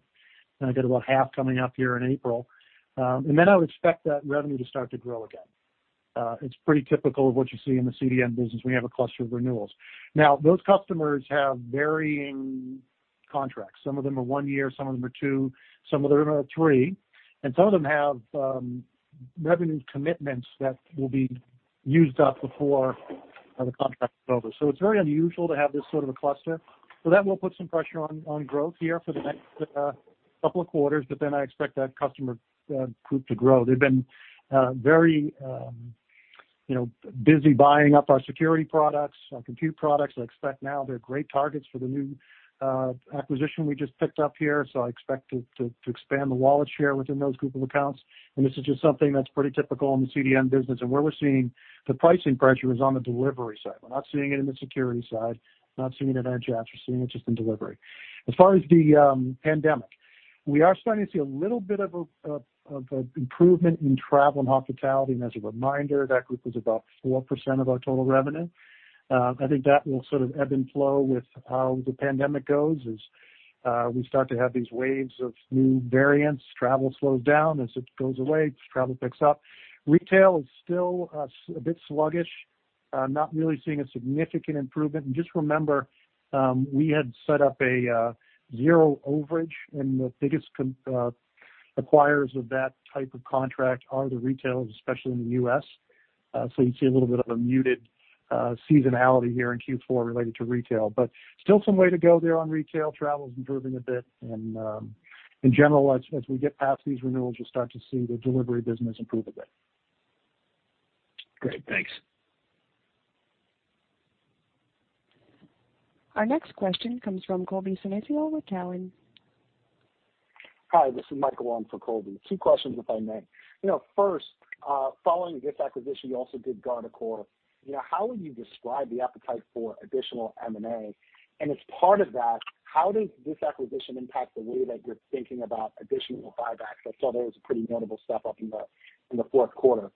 and I got about half coming up here in April. Then I would expect that revenue to start to grow again. It's pretty typical of what you see in the CDN business. We have a cluster of renewals. Now, those customers have varying contracts. Some of them are one year, some of them are two, some of them are three, and some of them have revenue commitments that will be used up before the contract is over. It's very unusual to have this sort of a cluster. That will put some pressure on growth here for the next couple of quarters, but then I expect that customer group to grow. They've been very, you know, busy buying up our security products, our compute products. I expect now they're great targets for the new acquisition we just picked up here, so I expect to expand the wallet share within those group of accounts. This is just something that's pretty typical in the CDN business. Where we're seeing the pricing pressure is on the delivery side. We're not seeing it in the security side, not seeing it in Edge Apps. We're seeing it just in delivery. As far as the pandemic, we are starting to see a little bit of an improvement in travel and hospitality. As a reminder, that group is about 4% of our total revenue. I think that will sort of ebb and flow with how the pandemic goes as we start to have these waves of new variants, travel slows down. As it goes away, travel picks up. Retail is still a bit sluggish, not really seeing a significant improvement. Just remember, we had set up a zero overage, and the biggest acquirers of that type of contract are the retailers, especially in the U.S., so you see a little bit of a muted. Seasonality here in Q4 related to retail, but still some way to go there on retail. Travel's improving a bit and, in general, as we get past these renewals, you'll start to see the delivery business improve a bit.
Great. Thanks.
Our next question comes from Colby Synesael with Cowen.
Hi, this is Michael on for Colby. Two questions, if I may. You know, first, following this acquisition, you also did Guardicore. You know, how would you describe the appetite for additional M&A? And as part of that, how does this acquisition impact the way that you're thinking about additional buybacks? I saw there was a pretty notable step up in the fourth quarter.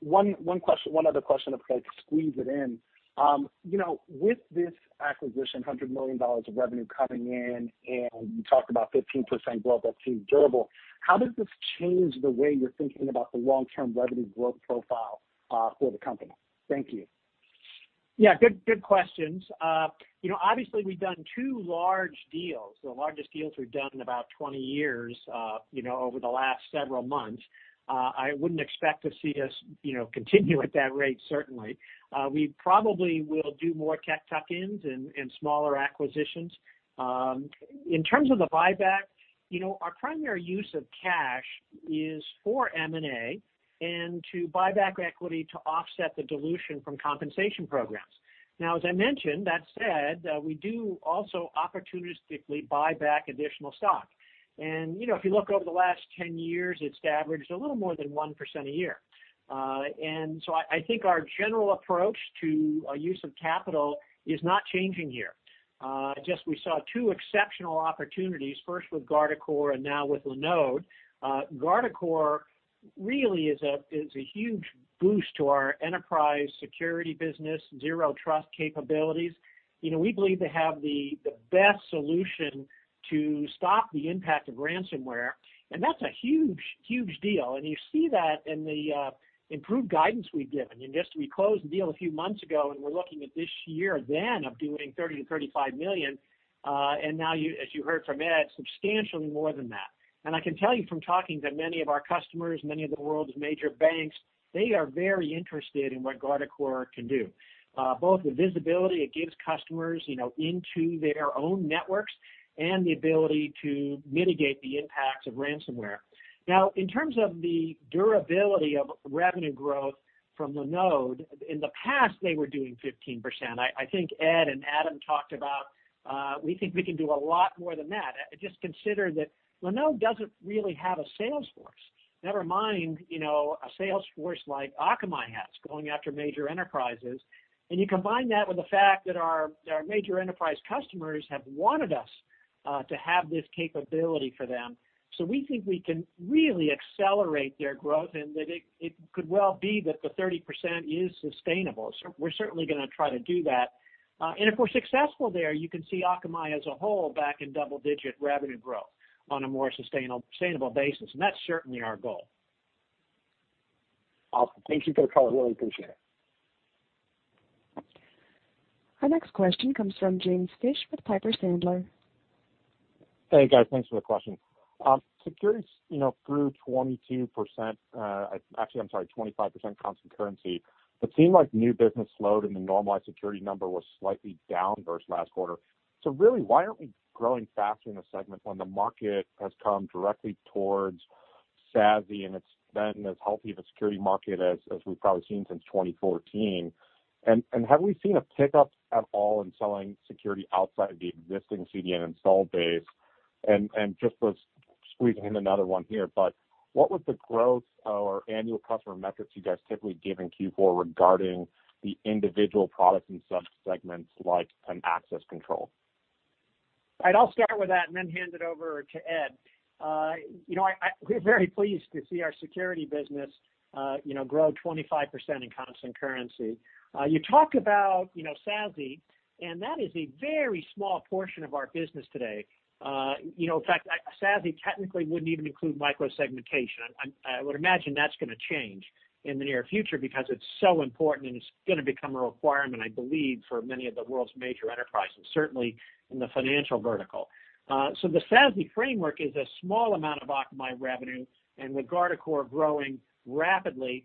One other question, if I could squeeze it in. You know, with this acquisition, $100 million of revenue coming in, and you talked about 15% growth that seems durable, how does this change the way you're thinking about the long-term revenue growth profile for the company? Thank you.
Yeah, good questions. You know, obviously, we've done two large deals, the largest deals we've done in about 20 years, you know, over the last several months. I wouldn't expect to see us, you know, continue at that rate certainly. We probably will do more cat tuck-ins and smaller acquisitions. In terms of the buyback, you know, our primary use of cash is for M&A and to buy back equity to offset the dilution from compensation programs. Now, as I mentioned, that said, we do also opportunistically buy back additional stock. You know, if you look over the last 10 years, it's averaged a little more than 1% a year. I think our general approach to our use of capital is not changing here. We just saw two exceptional opportunities first with Guardicore and now with Linode. Guardicore really is a huge boost to our enterprise security business, zero trust capabilities. You know, we believe they have the best solution to stop the impact of ransomware, and that's a huge deal. You see that in the improved guidance we've given. Yes, we closed the deal a few months ago, and we're looking at this year then of doing $30 million-$35 million. As you heard from Ed, substantially more than that. I can tell you from talking to many of our customers, many of the world's major banks, they are very interested in what Guardicore can do. Both the visibility it gives customers, you know, into their own networks and the ability to mitigate the impacts of ransomware. Now, in terms of the durability of revenue growth from Linode, in the past, they were doing 15%. I think Ed and Adam talked about, we think we can do a lot more than that. Just consider that Linode doesn't really have a sales force. Never mind, you know, a sales force like Akamai has, going after major enterprises. You combine that with the fact that our major enterprise customers have wanted us to have this capability for them. We think we can really accelerate their growth and that it could well be that the 30% is sustainable. We're certainly gonna try to do that. If we're successful there, you can see Akamai as a whole back in double-digit revenue growth on a more sustainable basis. That's certainly our goal.
Awesome. Thank you both for all. I really appreciate it.
Our next question comes from James Fish with Piper Sandler.
Hey, guys. Thanks for the question. Security, you know, grew 22%, actually, I'm sorry, 25% constant currency, but seemed like new business slowed and the normalized security number was slightly down versus last quarter. Really, why aren't we growing faster in the segment when the market has come directly towards SASE and it's been as healthy of a security market as we've probably seen since 2014? Have we seen a pickup at all in selling security outside the existing CDN installed base? Just to squeeze in another one here, what was the growth or annual customer metrics you guys typically gave in Q4 regarding the individual products in subsegments like access control?
I'll start with that and then hand it over to Ed. You know, we're very pleased to see our security business, you know, grow 25% in constant currency. You talk about, you know, SASE, and that is a very small portion of our business today. You know, in fact, SASE technically wouldn't even include micro-segmentation. I would imagine that's gonna change in the near future because it's so important, and it's gonna become a requirement, I believe, for many of the world's major enterprises, certainly in the financial vertical. The SASE framework is a small amount of Akamai revenue and with Guardicore growing rapidly,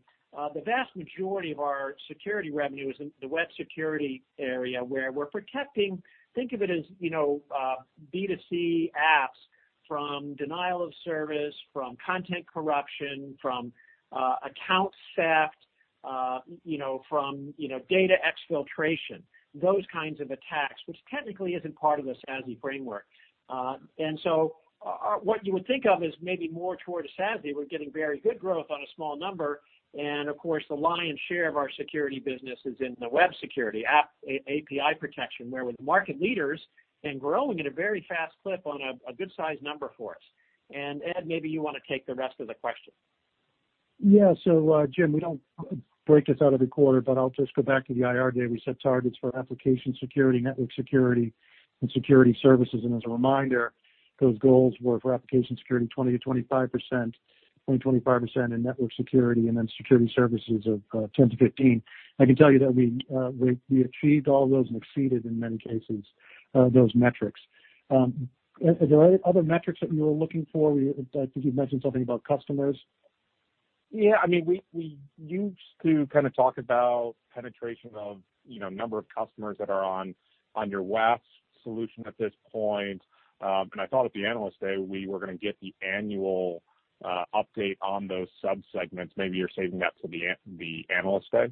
the vast majority of our security revenue is in the web security area, where we're protecting, think of it as, you know, B2C apps from denial of service, from content corruption, from account theft, you know, from data exfiltration, those kinds of attacks, which technically isn't part of the SASE framework. Our what you would think of as maybe more toward a SASE, we're getting very good growth on a small number, and of course, the lion's share of our security business is in the web security, API protection, where with market leaders and growing at a very fast clip on a good size number for us. Ed, maybe you wanna take the rest of the question. Yeah. Jim, we don't break this out every quarter, but I'll just go back to the IR day. We set targets for application security, network security, and security services. As a reminder, those goals were for application security, 20%-25%, 20%-25% in network security, and then security services of 10%-15%. I can tell you that we achieved all those and exceeded, in many cases, those metrics. Are there any other metrics that you were looking for? I think you mentioned something about customers.
Yeah, I mean, we used to kind of talk about penetration of, you know, number of customers that are on your WAF solution at this point. I thought at the Analyst Day, we were gonna get the annual update on those sub-segments. Maybe you're saving that for the Analyst Day.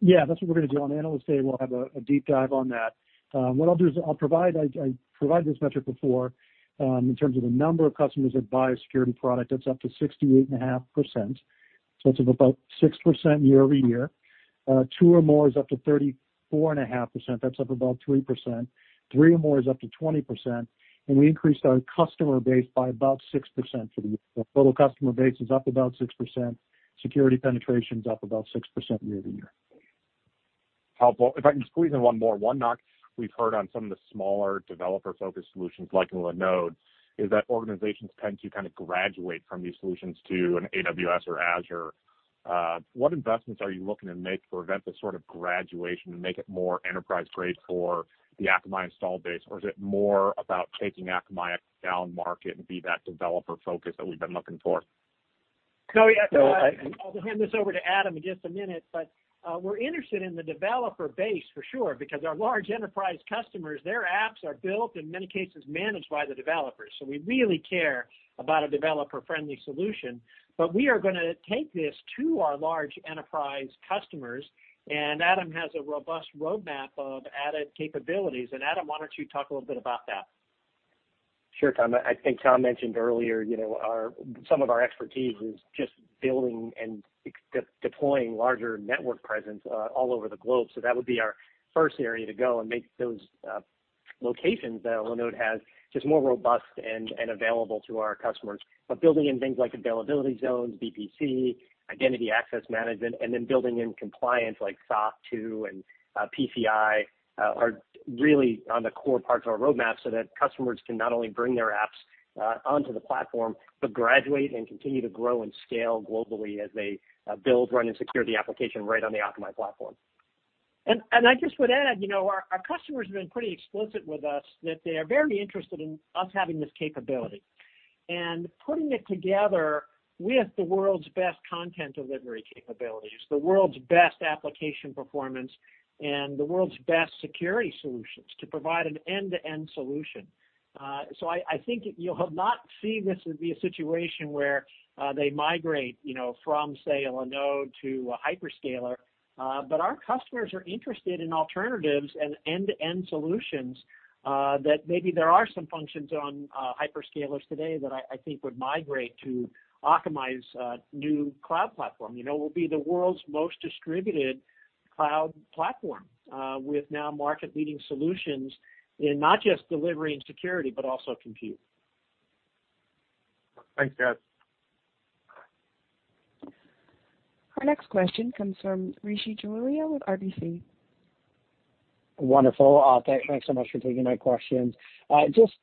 Yeah, that's what we're gonna do. On Analyst Day, we'll have a deep dive on that. I provided this metric before, in terms of the number of customers that buy a security product, that's up to 68.5%, so it's up about 6% year-over-year. Two or more is up to 34.5%. That's up about 3%. Three or more is up to 20%, and we increased our customer base by about 6% for the year. Total customer base is up about 6%, security penetration's up about 6% year-over-year.
Helpful. If I can squeeze in one more. One knock we've heard on some of the smaller developer-focused solutions like Linode is that organizations tend to kind of graduate from these solutions to an AWS or Azure. What investments are you looking to make to prevent this sort of graduation and make it more enterprise-grade for the Akamai install base? Or is it more about taking Akamai downmarket and be that developer focus that we've been looking for?
Yeah, I'll hand this over to Adam in just a minute, but we're interested in the developer base for sure because our large enterprise customers, their apps are built, in many cases managed by the developers, so we really care about a developer-friendly solution. We are gonna take this to our large enterprise customers, and Adam has a robust roadmap of added capabilities. Adam, why don't you talk a little bit about that?
Sure, Tom. I think Tom mentioned earlier, you know, some of our expertise is just building and expanding and deploying larger network presence all over the globe. That would be our first area to go and make those locations that Linode has just more robust and available to our customers. Building in things like availability zones, VPC, identity access management, and then building in compliance like SOC 2 and PCI are really on the core parts of our roadmap so that customers can not only bring their apps onto the platform, but graduate and continue to grow and scale globally as they build, run, and secure the application right on the Akamai platform.
I just would add, you know, our customers have been pretty explicit with us that they are very interested in us having this capability. Putting it together with the world's best content delivery capabilities, the world's best application performance, and the world's best security solutions to provide an end-to-end solution. I think you'll have not seen this as be a situation where they migrate, you know, from, say, a Linode to a hyperscaler, but our customers are interested in alternatives and end-to-end solutions that maybe there are some functions on hyperscalers today that I think would migrate to Akamai's new cloud platform. You know, we'll be the world's most distributed cloud platform with now market-leading solutions in not just delivery and security, but also compute.
Thanks, guys.
Our next question comes from Rishi Jaluria with RBC.
Wonderful. Thanks so much for taking my questions. Just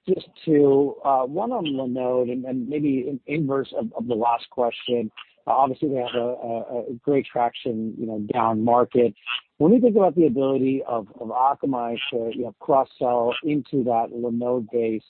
to one on Linode and maybe inverse of the last question, obviously we have a great traction, you know, down market. When we think about the ability of Akamai to, you know, cross-sell into that Linode base,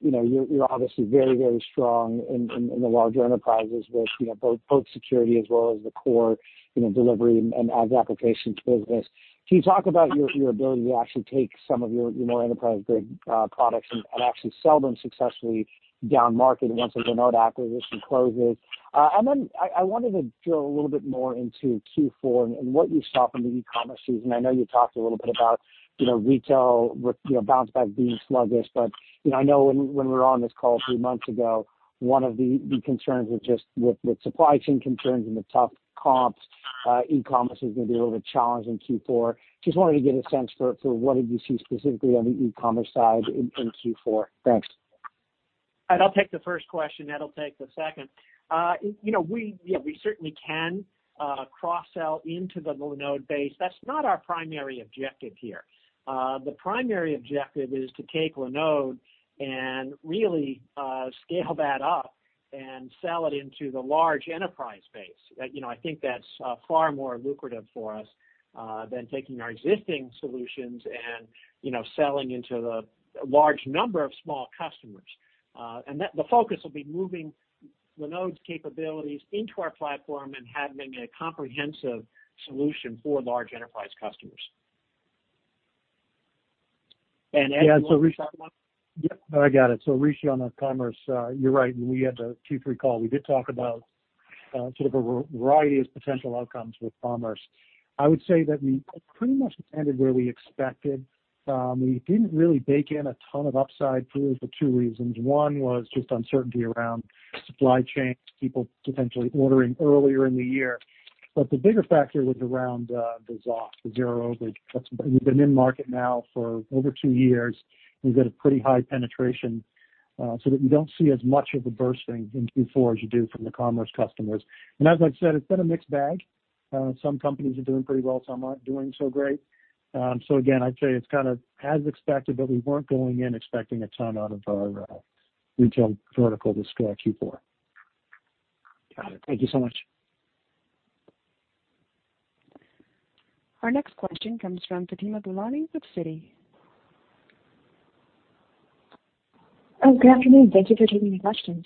you know, you're obviously very strong in the larger enterprises with, you know, both security as well as the core, you know, delivery and apps applications business. Can you talk about your ability to actually take some of your more enterprise-grade products and actually sell them successfully down market once the Linode acquisition closes? And then I wanted to drill a little bit more into Q4 and what you saw from the e-commerce season. I know you talked a little bit about, you know, retail with, you know, bounce back being sluggish, but, you know, I know when we were on this call a few months ago, one of the concerns with supply chain concerns and the tough comps, e-commerce was gonna be a little bit challenging in Q4. Just wanted to get a sense for what did you see specifically on the e-commerce side in Q4. Thanks.
I'll take the first question, Ed'll take the second. You know, we certainly can cross-sell into the Linode base. That's not our primary objective here. The primary objective is to take Linode and really scale that up and sell it into the large enterprise base. You know, I think that's far more lucrative for us than taking our existing solutions and, you know, selling into the large number of small customers. The focus will be moving Linode's capabilities into our platform and having a comprehensive solution for large enterprise customers. Ed, you want to talk about.
Yeah, Rishi. Yep, I got it. Rishi, on commerce, you're right. When we had the Q3 call, we did talk about sort of a variety of potential outcomes with commerce. I would say that we pretty much ended where we expected. We didn't really bake in a ton of upside for two reasons. One was just uncertainty around supply chains, people potentially ordering earlier in the year. The bigger factor was around the ZOS, the zero overage. We've been in market now for over two years. We've got a pretty high penetration, so that we don't see as much of a burst then in Q4 as you do from the commerce customers. As I said, it's been a mixed bag. Some companies are doing pretty well, some aren't doing so great. Again, I'd say it's kind of as expected, but we weren't going in expecting a ton out of our retail vertical this quarter, Q4.
Got it. Thank you so much.
Our next question comes from Fatima Boolani with Citi.
Oh, good afternoon. Thank you for taking the questions.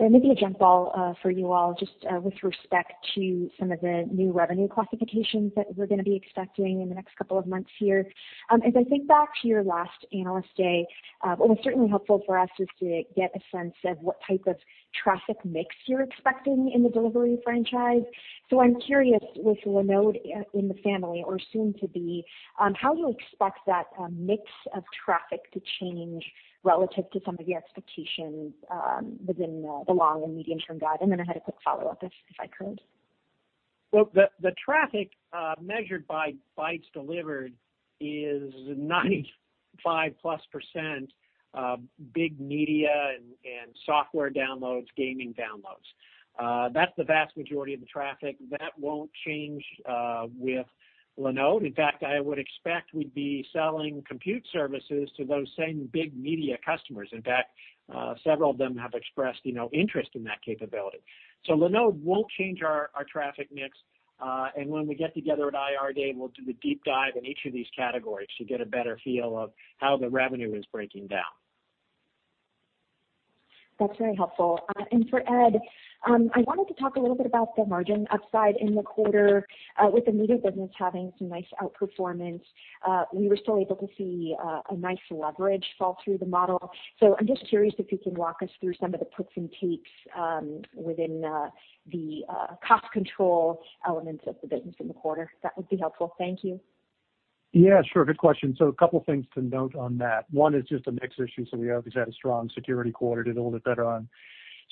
There may be a jump ball for you all just with respect to some of the new revenue classifications that we're gonna be expecting in the next couple of months here. As I think back to your last Analyst Day, what was certainly helpful for us is to get a sense of what type of traffic mix you're expecting in the delivery franchise. I'm curious, with Linode in the family, or soon to be, how you expect that mix of traffic to change relative to some of the expectations within the long and medium-term guide, and then I had a quick follow-up if I could.
Well, the traffic measured by bytes delivered is 95%+ big media and software downloads, gaming downloads. That's the vast majority of the traffic. That won't change with Linode. In fact, I would expect we'd be selling compute services to those same big media customers. In fact, several of them have expressed, you know, interest in that capability. Linode won't change our traffic mix. When we get together at IR day, we'll do the deep dive in each of these categories to get a better feel of how the revenue is breaking down.
That's very helpful. For Ed, I wanted to talk a little bit about the margin upside in the quarter. With the media business having some nice outperformance, we were still able to see a nice leverage fall through the model. I'm just curious if you can walk us through some of the puts and takes within the cost control elements of the business in the quarter. That would be helpful. Thank you.
Yeah, sure. Good question. A couple things to note on that. One is just a mix issue, so we obviously had a strong security quarter, did a little bit better on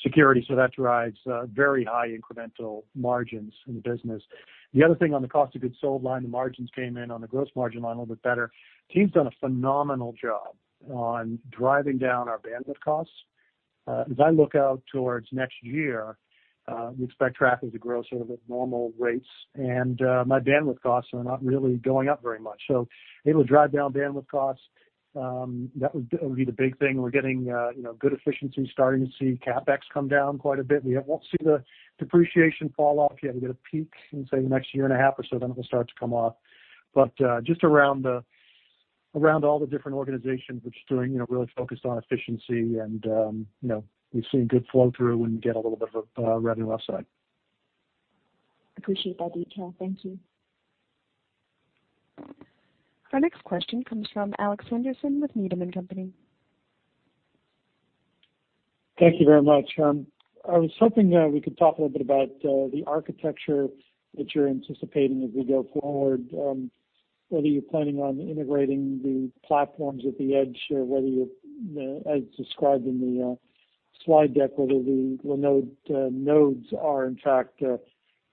security, so that drives very high incremental margins in the business. The other thing on the cost of goods sold line, the margins came in on the gross margin line a little bit better. Team's done a phenomenal job on driving down our bandwidth costs. As I look out towards next year, we expect traffic to grow sort of at normal rates, and my bandwidth costs are not really going up very much. Able to drive down bandwidth costs, that would be the big thing. We're getting, you know, good efficiency, starting to see CapEx come down quite a bit. We won't see the depreciation fall off yet. We'll get a peak in, say, the next year and a half or so, then it will start to come off. Just around all the different organizations, we're just doing, you know, really focused on efficiency and, you know, we've seen good flow through and get a little bit of a revenue upside.
Appreciate that detail. Thank you.
Our next question comes from Alex Henderson with Needham & Company.
Thank you very much. I was hoping we could talk a little bit about the architecture that you're anticipating as we go forward. Whether you're planning on integrating the platforms at the edge, or whether you're, as described in the slide deck, whether the Linode nodes are, in fact,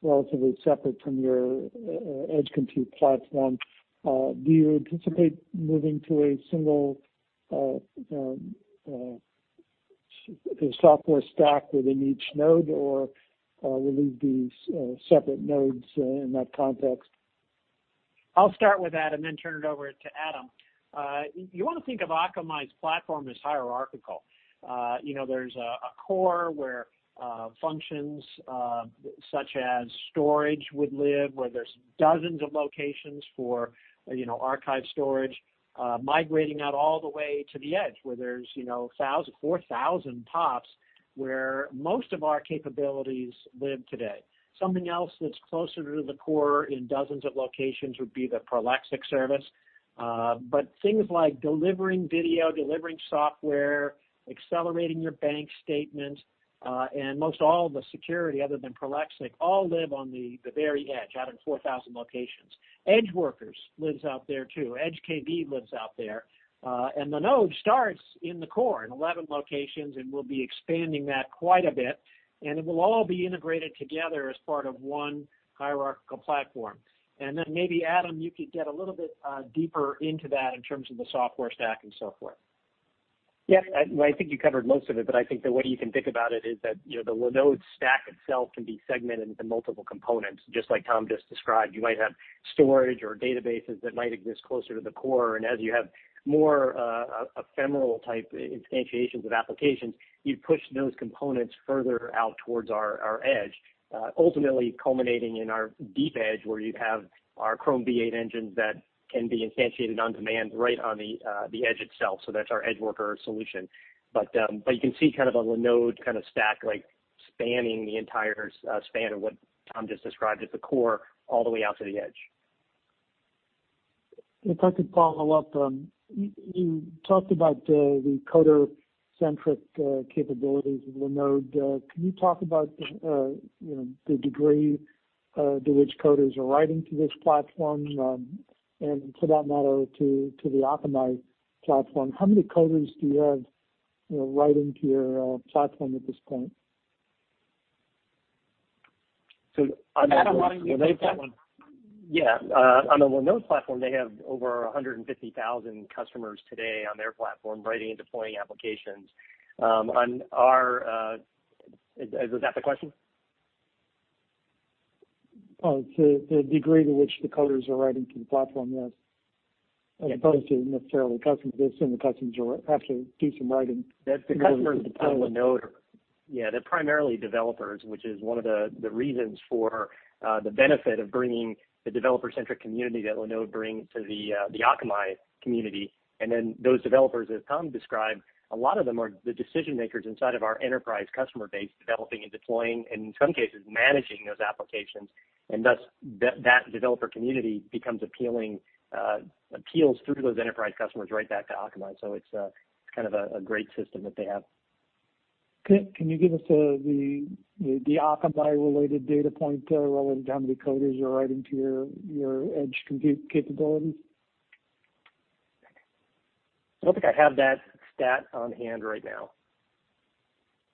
relatively separate from your edge compute platform. Do you anticipate moving to a single software stack within each node, or will these be separate nodes in that context?
I'll start with that and then turn it over to Adam. You wanna think of Akamai's platform as hierarchical. You know, there's a core where functions such as storage would live, where there's dozens of locations for, you know, archive storage, migrating out all the way to the edge, where there's, you know, 4,000 POPs, where most of our capabilities live today. Something else that's closer to the core in dozens of locations would be the Prolexic service. Things like delivering video, delivering software, accelerating your bank statement, and most all the security other than Prolexic, all live on the very edge, out in 4,000 locations. EdgeWorkers lives out there too. EdgeKV lives out there. Linode starts in the core in 11 locations, and we'll be expanding that quite a bit, and it will all be integrated together as part of one hierarchical platform. Maybe, Adam, you could get a little bit deeper into that in terms of the software stack and so forth.
Yeah, well, I think you covered most of it, but I think the way you can think about it is that, you know, the Linode stack itself can be segmented into multiple components, just like Tom just described. You might have storage or databases that might exist closer to the core, and as you have more ephemeral type instantiations of applications, you push those components further out towards our edge, ultimately culminating in our deep edge, where you'd have our Chrome V8 engines that can be instantiated on demand right on the edge itself. So that's our EdgeWorkers solution. You can see kind of a Linode kind of stack like spanning the entire span of what Tom just described at the core all the way out to the edge.
If I could follow up, you talked about the coder-centric capabilities of Linode. Can you talk about you know, the degree to which coders are writing to this platform, and for that matter, to the Akamai platform? How many coders do you have, you know, writing to your platform at this point?
Adam, why don't you take that one?
Yeah. On the Linode platform, they have over 150,000 customers today on their platform writing and deploying applications. Is that the question?
The degree to which the coders are writing to the platform, yes. As opposed to necessarily customers. I assume the customers are actually decent writing.
That's the customers of Linode. Yeah, they're primarily developers, which is one of the reasons for the benefit of bringing the developer-centric community that Linode brings to the Akamai community. Those developers, as Tom described, a lot of them are the decision makers inside of our enterprise customer base, developing and deploying, and in some cases, managing those applications. That developer community becomes appealing, appeals through those enterprise customers right back to Akamai. It's kind of a great system that they have.
Can you give us the Akamai-related data point relevant to how many coders you're writing to your edge compute capabilities?
I don't think I have that stat on hand right now.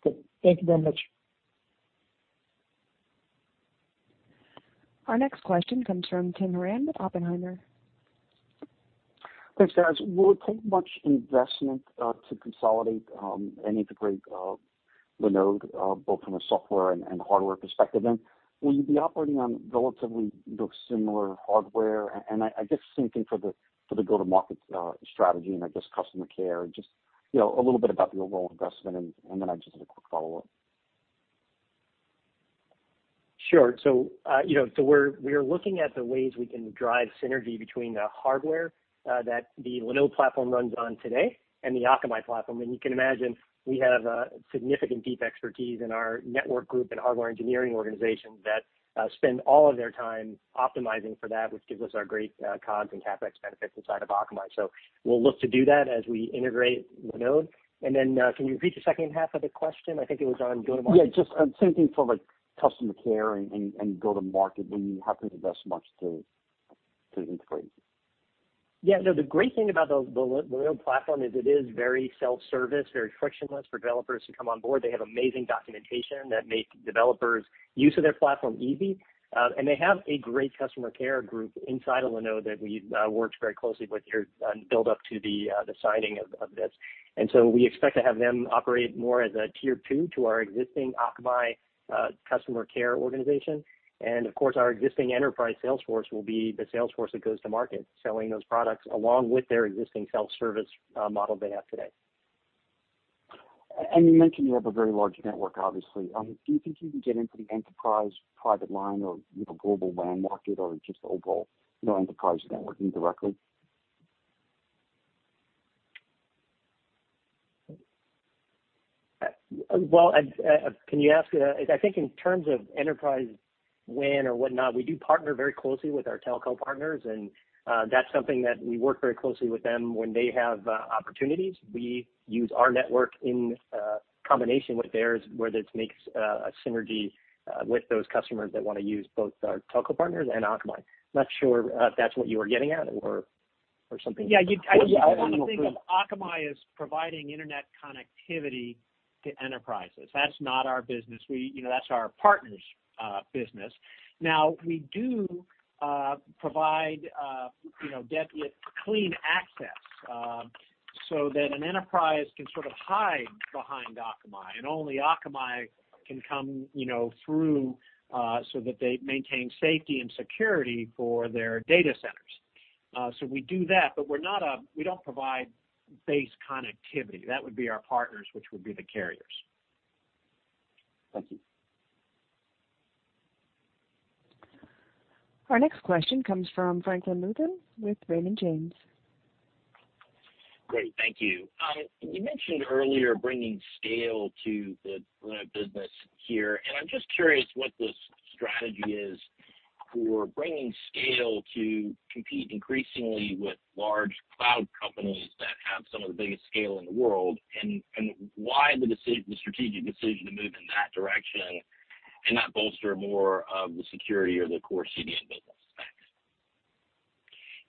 Okay. Thank you very much.
Our next question comes from Tim Horan with Oppenheimer.
Thanks, guys. Will it take much investment to consolidate and integrate Linode both from a software and hardware perspective? Will you be operating on relatively similar hardware? I guess same thing for the go-to-market strategy and I guess customer care, just you know a little bit about your required investment and then I just had a quick follow-up.
Sure. You know, so we're looking at the ways we can drive synergy between the hardware that the Linode platform runs on today and the Akamai platform. You can imagine we have a significant deep expertise in our network group and hardware engineering organization that spend all of their time optimizing for that, which gives us our great COGS and CapEx benefits inside of Akamai. We'll look to do that as we integrate Linode. Can you repeat the second half of the question? I think it was on go-to-market.
Yeah, just same thing for like customer care and go-to-market, will you have to invest much to integrate?
Yeah, no, the great thing about the Linode platform is it is very self-service, very frictionless for developers to come on board. They have amazing documentation that make developers' use of their platform easy. They have a great customer care group inside of Linode that we've worked very closely with here on build up to the signing of this. We expect to have them operate more as a tier two to our existing Akamai customer care organization. Of course, our existing enterprise sales force will be the sales force that goes to market selling those products along with their existing self-service model they have today.
You mentioned you have a very large network, obviously. Do you think you can get into the enterprise private line or, you know, global WAN market or just overall, you know, enterprise networking directly?
Well, I think in terms of enterprise WAN or whatnot, we do partner very closely with our telco partners, and that's something that we work very closely with them when they have opportunities. We use our network in combination with theirs, whether it makes a synergy with those customers that wanna use both our telco partners and Akamai. Not sure if that's what you were getting at or something.
I just want to think of Akamai as providing internet connectivity to enterprises. That's not our business. You know, that's our partners' business. Now, we do provide you know, get clean access, so that an enterprise can sort of hide behind Akamai, and only Akamai can come, you know, through, so that they maintain safety and security for their data centers. So we do that, but we're not – we don't provide base connectivity. That would be our partners, which would be the carriers. Thank you.
Our next question comes from Frank Louthan with Raymond James.
Great. Thank you. You mentioned earlier bringing scale to the Linode business here, and I'm just curious what the strategy is for bringing scale to compete increasingly with large cloud companies that have some of the biggest scale in the world, and why the decision, the strategic decision to move in that direction and not bolster more of the security or the core CDN business? Thanks.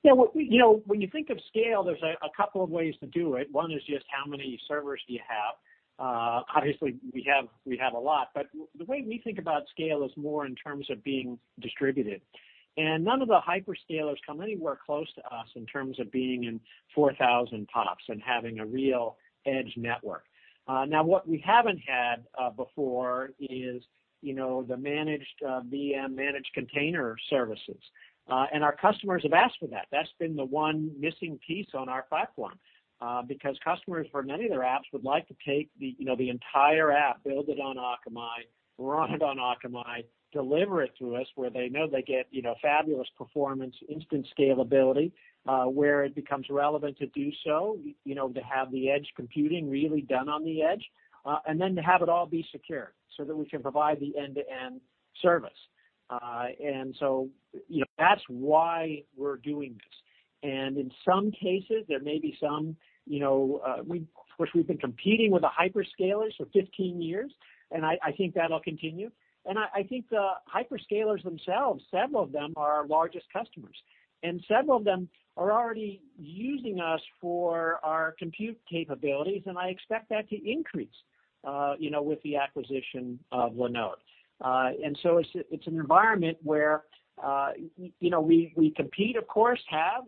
Yeah. You know, when you think of scale, there's a couple of ways to do it. One is just how many servers do you have. Obviously we have a lot. The way we think about scale is more in terms of being distributed. None of the hyperscalers come anywhere close to us in terms of being in 4,000 POPs and having a real edge network. Now, what we haven't had before is, you know, the managed VM managed container services. Our customers have asked for that. That's been the one missing piece on our platform. Because customers for many of their apps would like to take the, you know, the entire app, build it on Akamai, run it on Akamai, deliver it through us, where they know they get, you know, fabulous performance, instant scalability, where it becomes relevant to do so, you know, to have the edge computing really done on the edge, and then to have it all be secure so that we can provide the end-to-end service. You know, that's why we're doing this. In some cases, there may be some, you know. Of course, we've been competing with the hyperscalers for 15 years, and I think that'll continue. I think the hyperscalers themselves, several of them are our largest customers. Several of them are already using us for our compute capabilities, and I expect that to increase, you know, with the acquisition of Linode. It's an environment where, you know, we compete, of course, and have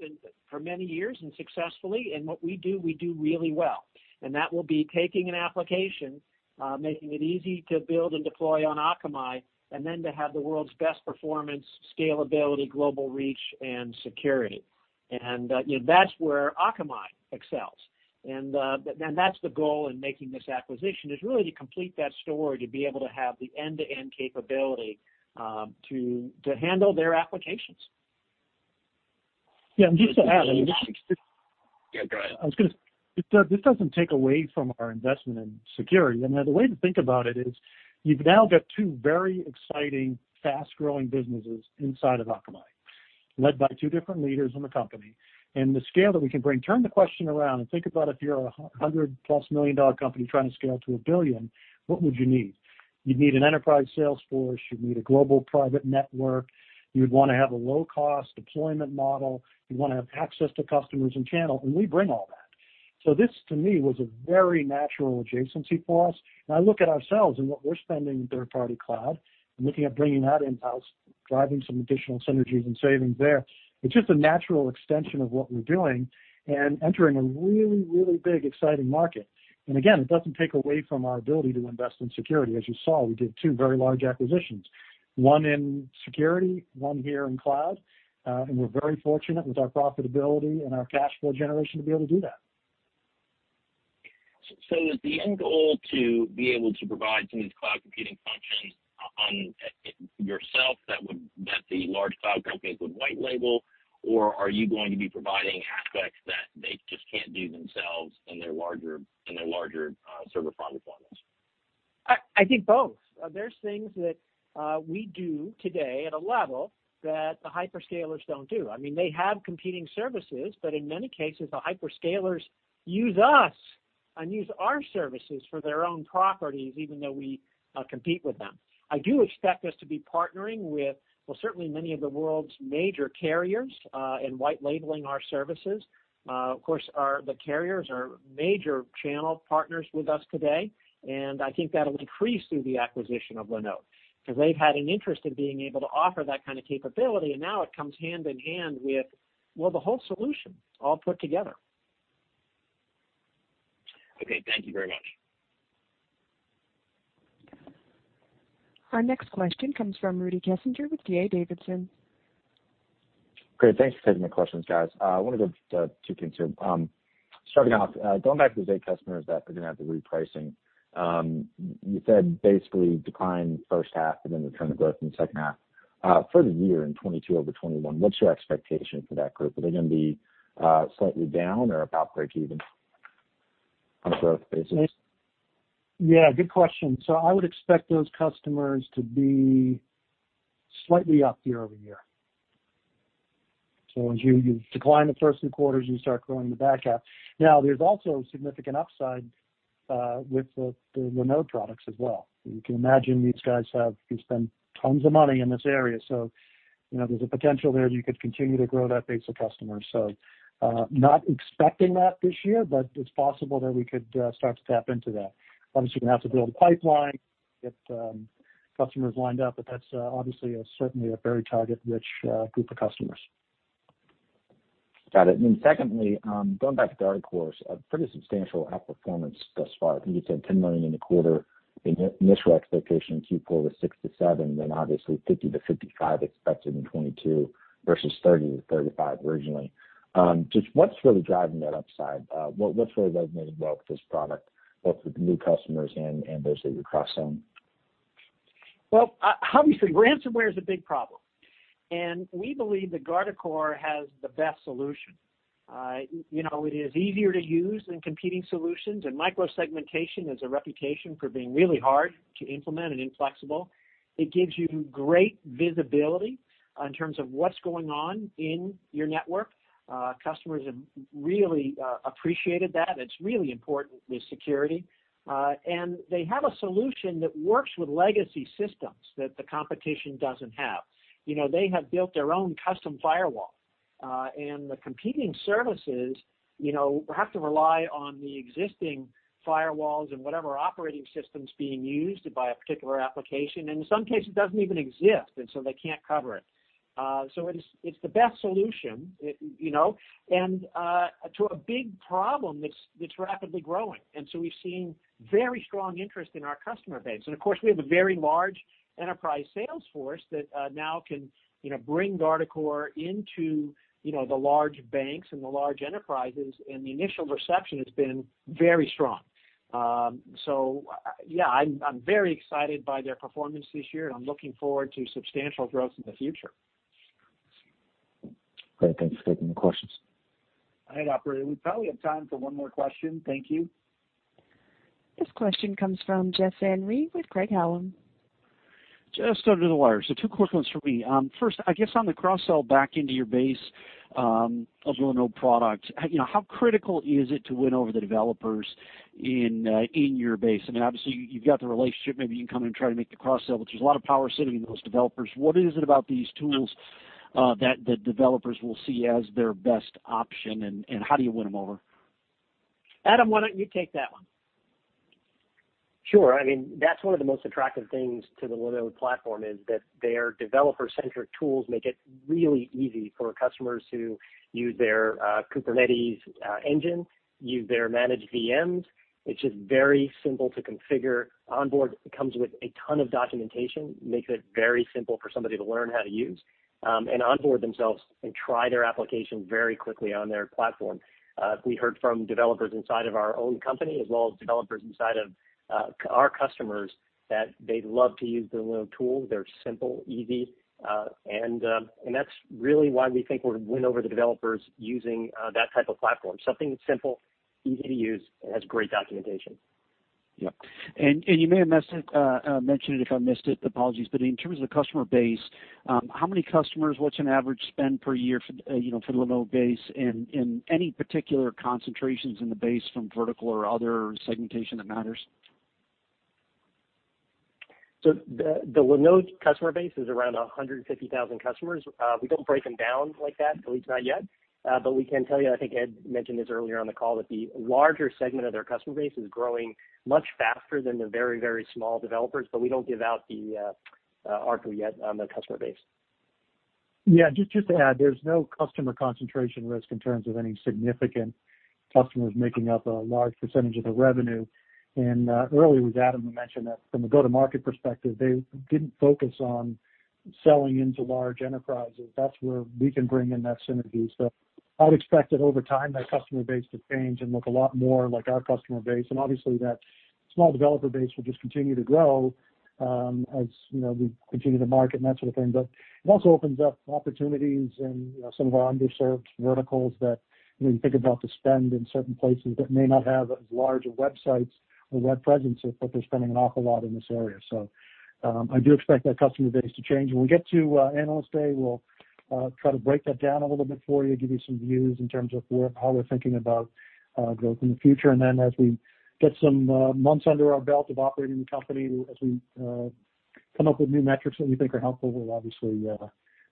for many years and successfully, and what we do, we do really well. That will be taking an application, making it easy to build and deploy on Akamai, and then to have the world's best performance, scalability, global reach, and security. That's where Akamai excels. That's the goal in making this acquisition, is really to complete that story, to be able to have the end-to-end capability, to handle their applications.
Yeah. Just to add, I mean, this.
Yeah, go ahead.
This doesn't take away from our investment in security. The way to think about it is you've now got two very exciting, fast-growing businesses inside of Akamai, led by two different leaders in the company. The scale that we can bring, turn the question around and think about if you're a $100-plus million company trying to scale to $1 billion, what would you need? You'd need an enterprise sales force, you'd need a global private network, you'd wanna have a low-cost deployment model, you'd wanna have access to customers and channel, and we bring all that. This, to me, was a very natural adjacency for us. I look at ourselves and what we're spending in third-party cloud and looking at bringing that in-house, driving some additional synergies and savings there. It's just a natural extension of what we're doing and entering a really, really big, exciting market. Again, it doesn't take away from our ability to invest in security. As you saw, we did two very large acquisitions, one in security, one here in cloud, and we're very fortunate with our profitability and our cash flow generation to be able to do that.
Is the end goal to be able to provide some of these cloud computing functions on yourself that the large cloud companies would white label, or are you going to be providing aspects that they just can't do themselves in their larger server product offerings?
I think both. There's things that we do today at a level that the hyperscalers don't do. I mean, they have competing services, but in many cases, the hyperscalers use us and use our services for their own properties, even though we compete with them. I do expect us to be partnering with, well, certainly many of the world's major carriers, in white labeling our services. Of course, the carriers are major channel partners with us today, and I think that'll increase through the acquisition of Linode, 'cause they've had an interest in being able to offer that kind of capability, and now it comes hand-in-hand with, well, the whole solution all put together.
Okay. Thank you very much.
Our next question comes from Rudy Kessinger with D.A. Davidson.
Great. Thanks for taking the questions, guys. Wanted to, two things here. Starting off, going back to the eight customers that are gonna have the repricing, you said basically decline first half and then return to growth in the second half. For the year in 2022 over 2021, what's your expectation for that group? Are they gonna be, slightly down or about breakeven on a growth basis?
Yeah, good question. I would expect those customers to be slightly up year over year. As you decline the first few quarters, you start growing the back half. Now, there's also significant upside with the Linode products as well. You can imagine these guys can spend tons of money in this area. You know, there's a potential there you could continue to grow that base of customers. Not expecting that this year, but it's possible that we could start to tap into that. Obviously, you're gonna have to build a pipeline, get customers lined up, but that's obviously certainly a very target-rich group of customers.
Got it. Secondly, going back to Guardicore, a pretty substantial outperformance thus far. I think you said $10 million in the quarter. The initial expectation, Q4 was $6 million-$7 million, then obviously $50 million-$55 million expected in 2022 versus $30 million-$35 million originally. Just what's really driving that upside? What's really resonating well with this product, both with the new customers and those that you cross-sell?
Ransomware is a big problem, and we believe that Guardicore has the best solution. You know, it is easier to use than competing solutions, and micro-segmentation has a reputation for being really hard to implement and inflexible. It gives you great visibility in terms of what's going on in your network. Customers have really appreciated that. It's really important with security. And they have a solution that works with legacy systems that the competition doesn't have. You know, they have built their own custom firewall, and the competing services, you know, have to rely on the existing firewalls and whatever operating system's being used by a particular application, and in some cases it doesn't even exist, and so they can't cover it. It's the best solution to a big problem that's rapidly growing. We've seen very strong interest in our customer base. Of course, we have a very large enterprise sales force that now can bring Guardicore into the large banks and the large enterprises, and the initial reception has been very strong. I'm very excited by their performance this year, and I'm looking forward to substantial growth in the future.
Great. Thanks for taking the questions.
All right, operator. We probably have time for one more question. Thank you.
This question comes from Jeff Van Rhee with Craig-Hallum.
Just under the wire. Two quick ones for me. First, I guess on the cross-sell back into your base of Linode product, you know, how critical is it to win over the developers in your base? I mean, obviously you've got the relationship, maybe you can come in and try to make the cross-sell, but there's a lot of power sitting in those developers. What is it about these tools that developers will see as their best option, and how do you win them over?
Adam, why don't you take that?
Sure. I mean, that's one of the most attractive things to the Linode platform is that their developer-centric tools make it really easy for customers to use their Kubernetes engine, use their managed VMs. It's just very simple to configure onboard. It comes with a ton of documentation, makes it very simple for somebody to learn how to use and onboard themselves and try their application very quickly on their platform. We heard from developers inside of our own company as well as developers inside of our customers that they love to use the Linode tools. They're simple, easy, and that's really why we think we're gonna win over the developers using that type of platform. Something that's simple, easy to use, and has great documentation.
Yeah, you may have mentioned it if I missed it. Apologies. In terms of the customer base, how many customers, what's an average spend per year for, you know, for the Linode base and any particular concentrations in the base from vertical or other segmentation that matters?
The Linode customer base is around 150,000 customers. We don't break them down like that, at least not yet. But we can tell you, I think Ed mentioned this earlier on the call, that the larger segment of their customer base is growing much faster than the very, very small developers, but we don't give out the ARPC yet on the customer base.
Yeah. Just to add, there's no customer concentration risk in terms of any significant customers making up a large percentage of the revenue. Earlier with Adam, we mentioned that from a go-to-market perspective, they didn't focus on selling into large enterprises. That's where we can bring in that synergy. I would expect that over time, that customer base to change and look a lot more like our customer base. Obviously that small developer base will just continue to grow, as you know, we continue to market and that sort of thing. It also opens up opportunities and, you know, some of our underserved verticals that, you know, when you think about the spend in certain places that may not have as large websites or web presence, but they're spending an awful lot in this area. I do expect that customer base to change. When we get to Analyst Day, we'll try to break that down a little bit for you, give you some views in terms of how we're thinking about growth in the future. As we get some months under our belt of operating the company, as we come up with new metrics that we think are helpful, we'll obviously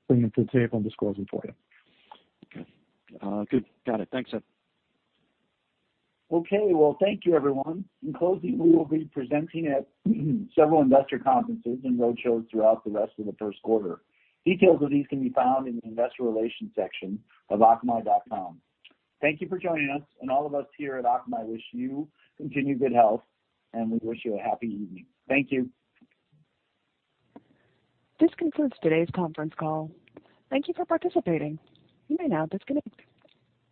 bring them to the table and disclose them for you.
Okay. Good. Got it. Thanks, Ed.
Okay. Well, thank you everyone. In closing, we will be presenting at several investor conferences and roadshows throughout the rest of the first quarter. Details of these can be found in the investor relations section of akamai.com. Thank you for joining us and all of us here at Akamai wish you continued good health, and we wish you a happy evening. Thank you.
This concludes today's conference call. Thank you for participating. You may now disconnect.